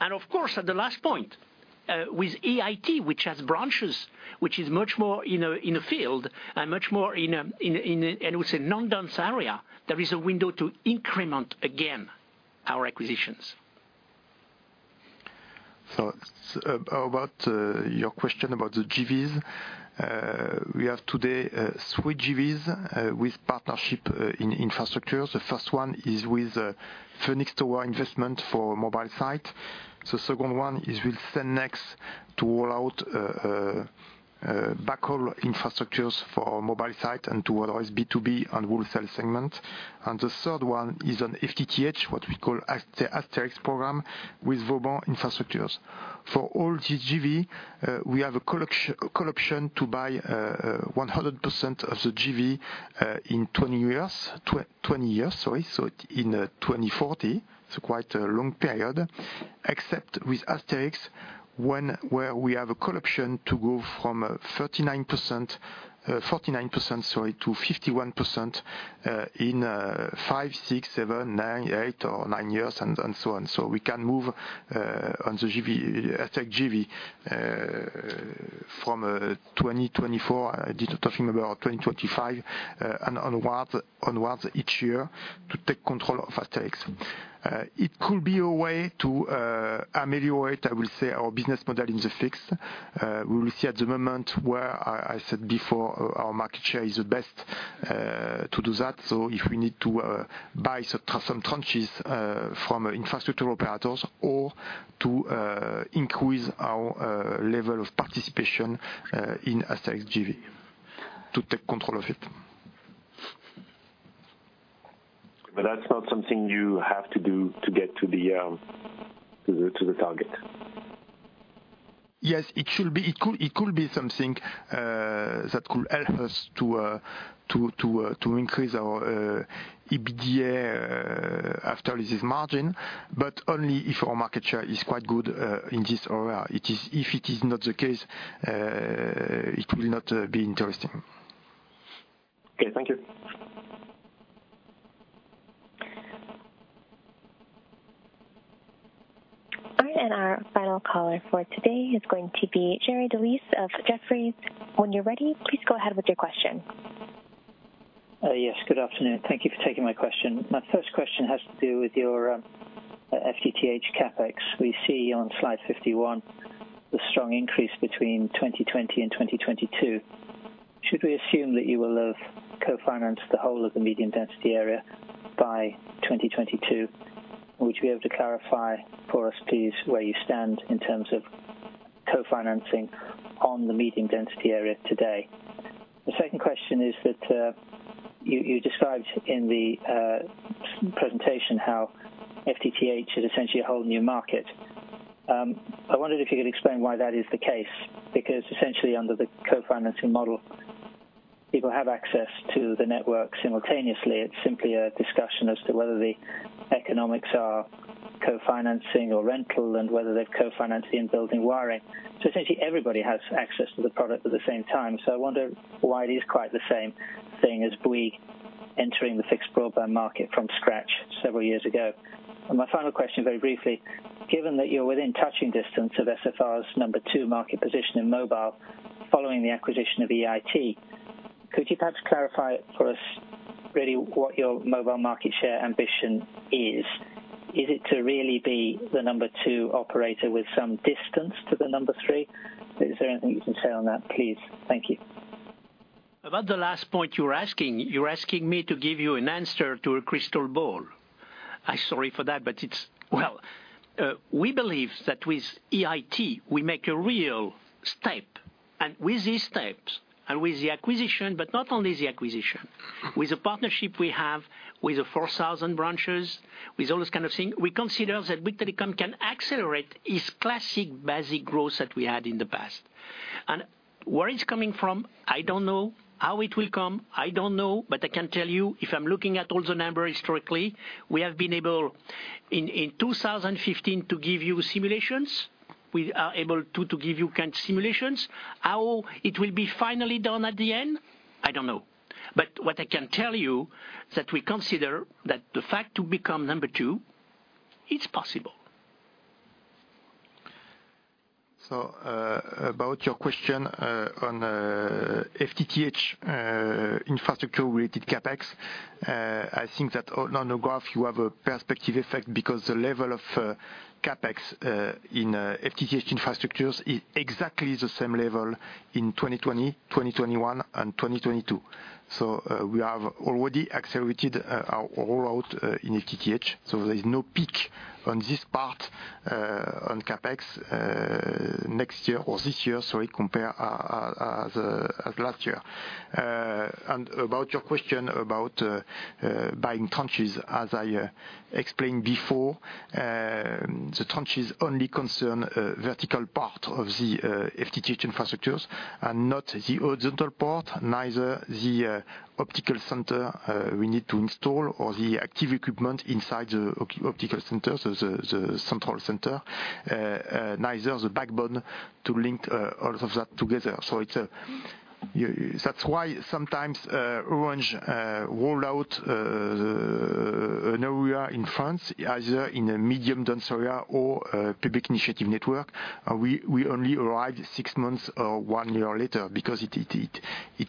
Of course, at the last point, with EIT, which has branches, which is much more in a field and much more in, I would say, non-dense area, there is a window to increment again our acquisitions. How about your question about the JVs? We have today three JVs with partnership in infrastructure. The first one is with Phoenix Tower investment for mobile site. The second one is with Cellnex to roll out backhaul infrastructures for mobile site and to otherwise B2B and wholesale segment. The third one is an FTTH, what we call Asterix program with Vauban infrastructures. For all these JV, we have a call option to buy 100% of the JV in 20 years. In 2040, it's quite a long period. Except with Asterix, where we have a call option to go from 49% to 51% in five, six, seven, eight or nine years, and so on. We can move on the JV, from 2024, talking about 2025, and onwards each year to take control of Asterix. It could be a way to ameliorate, I will say, our business model in the fixed. We will see at the moment where I said before our market share is the best to do that. If we need to buy some tranches from infrastructure operators or to increase our level of participation in Asterix JV to take control of it. That's not something you have to do to get to the target. Yes, it could be something that could help us to increase our EBITDA after this margin, but only if our market share is quite good in this area. If it is not the case, it will not be interesting. Okay. Thank you. All right. Our final caller for today is going to be Jerry Dellis of Jefferies. When you're ready, please go ahead with your question. Yes, good afternoon. Thank you for taking my question. My first question has to do with your FTTH CapEx. We see on slide 51 the strong increase between 2020 and 2022. Should we assume that you will have co-financed the whole of the medium density area by 2022? Would you be able to clarify for us, please, where you stand in terms of co-financing on the medium density area today? The second question is that you described in the presentation how FTTH is essentially a whole new market. I wondered if you could explain why that is the case, because essentially under the co-financing model, people have access to the network simultaneously. It is simply a discussion as to whether the economics are co-financing or rental, and whether they are co-financing building wiring. Essentially everybody has access to the product at the same time. I wonder why it is quite the same thing as Bouygues entering the fixed broadband market from scratch several years ago. My final question very briefly, given that you're within touching distance of SFR's number two market position in mobile following the acquisition of EIT, could you perhaps clarify for us really what your mobile market share ambition is? Is it to really be the number two operator with some distance to the number three? Is there anything you can say on that, please? Thank you. About the last point you're asking, you're asking me to give you an answer to a crystal ball. I'm sorry for that. Well, we believe that with EIT we make a real step. With this step and with the acquisition, not only the acquisition, with the partnership we have with the 4,000 branches, with all those kind of things, we consider that Bouygues Telecom can accelerate its classic basic growth that we had in the past. Where it's coming from, I don't know. How it will come, I don't know. I can tell you, if I'm looking at all the numbers historically, we have been able in 2015 to give you simulations. We are able to give you simulations. How it will be finally done at the end, I don't know. What I can tell you is that we consider that the fact to become number two it's possible. About your question on FTTH infrastructure related CapEx. I think that on the graph you have a perspective effect because the level of CapEx in FTTH infrastructures is exactly the same level in 2020, 2021 and 2022. We have already accelerated our rollout in FTTH, so there is no peak on this part on CapEx next year or this year compared as last year. About your question about buying tranches, as I explained before the tranches only concern vertical part of the FTTH infrastructures and not the horizontal part, neither the optical center we need to install or the active equipment inside the optical center. The central center, neither the backbone to link all of that together. That's why sometimes Orange rollout an area in France, either in a medium dense area or a public initiative network. We only arrive six months or one year later because it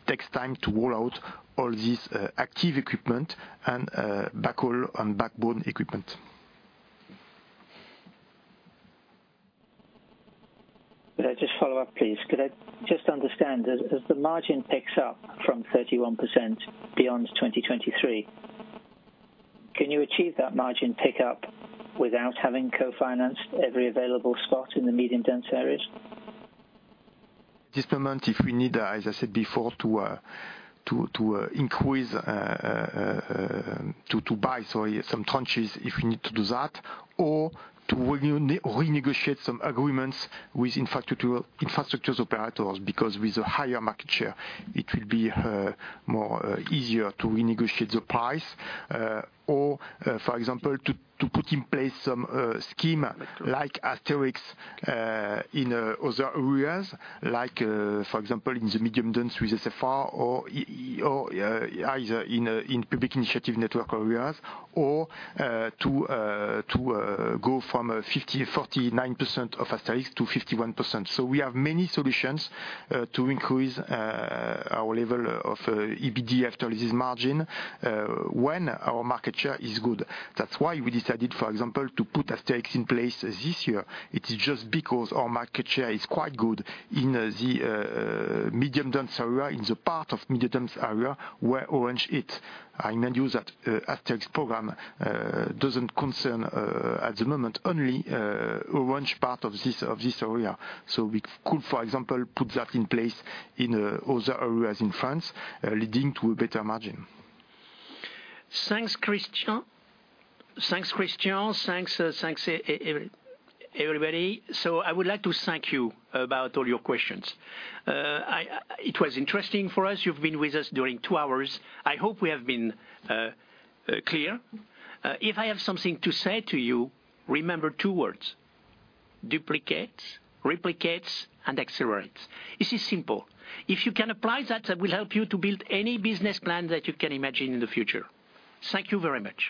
takes time to roll out all this active equipment and backhaul and backbone equipment. Could I just follow up, please? Could I just understand, as the margin picks up from 31% beyond 2023, can you achieve that margin pick up without having co-financed every available spot in the medium dense areas? This moment if we need, as I said before, to increase, to buy, some tranches, if we need to do that or to renegotiate some agreements with infrastructure operators. With a higher market share, it will be more easier to renegotiate the price, or, for example, to put in place some scheme like Asterix in other areas like for example in the medium dense with SFR or either in public initiative network areas or to go from 49% of Asterix to 51%. We have many solutions to increase our level of EBITDA after this margin, when our market share is good. That's why we decided, for example, to put Asterix in place this year. It is just because our market share is quite good in the medium dense area, in the part of medium dense area where Orange is. I remind you that Asterix program doesn't concern, at the moment, only Orange part of this area. We could, for example, put that in place in other areas in France, leading to a better margin. Thanks, Christian. Thanks, everybody. I would like to thank you about all your questions. It was interesting for us. You've been with us during two hours. I hope we have been clear. If I have something to say to you, remember two words, duplicate, replicate, and accelerate. This is simple. If you can apply that will help you to build any business plan that you can imagine in the future. Thank you very much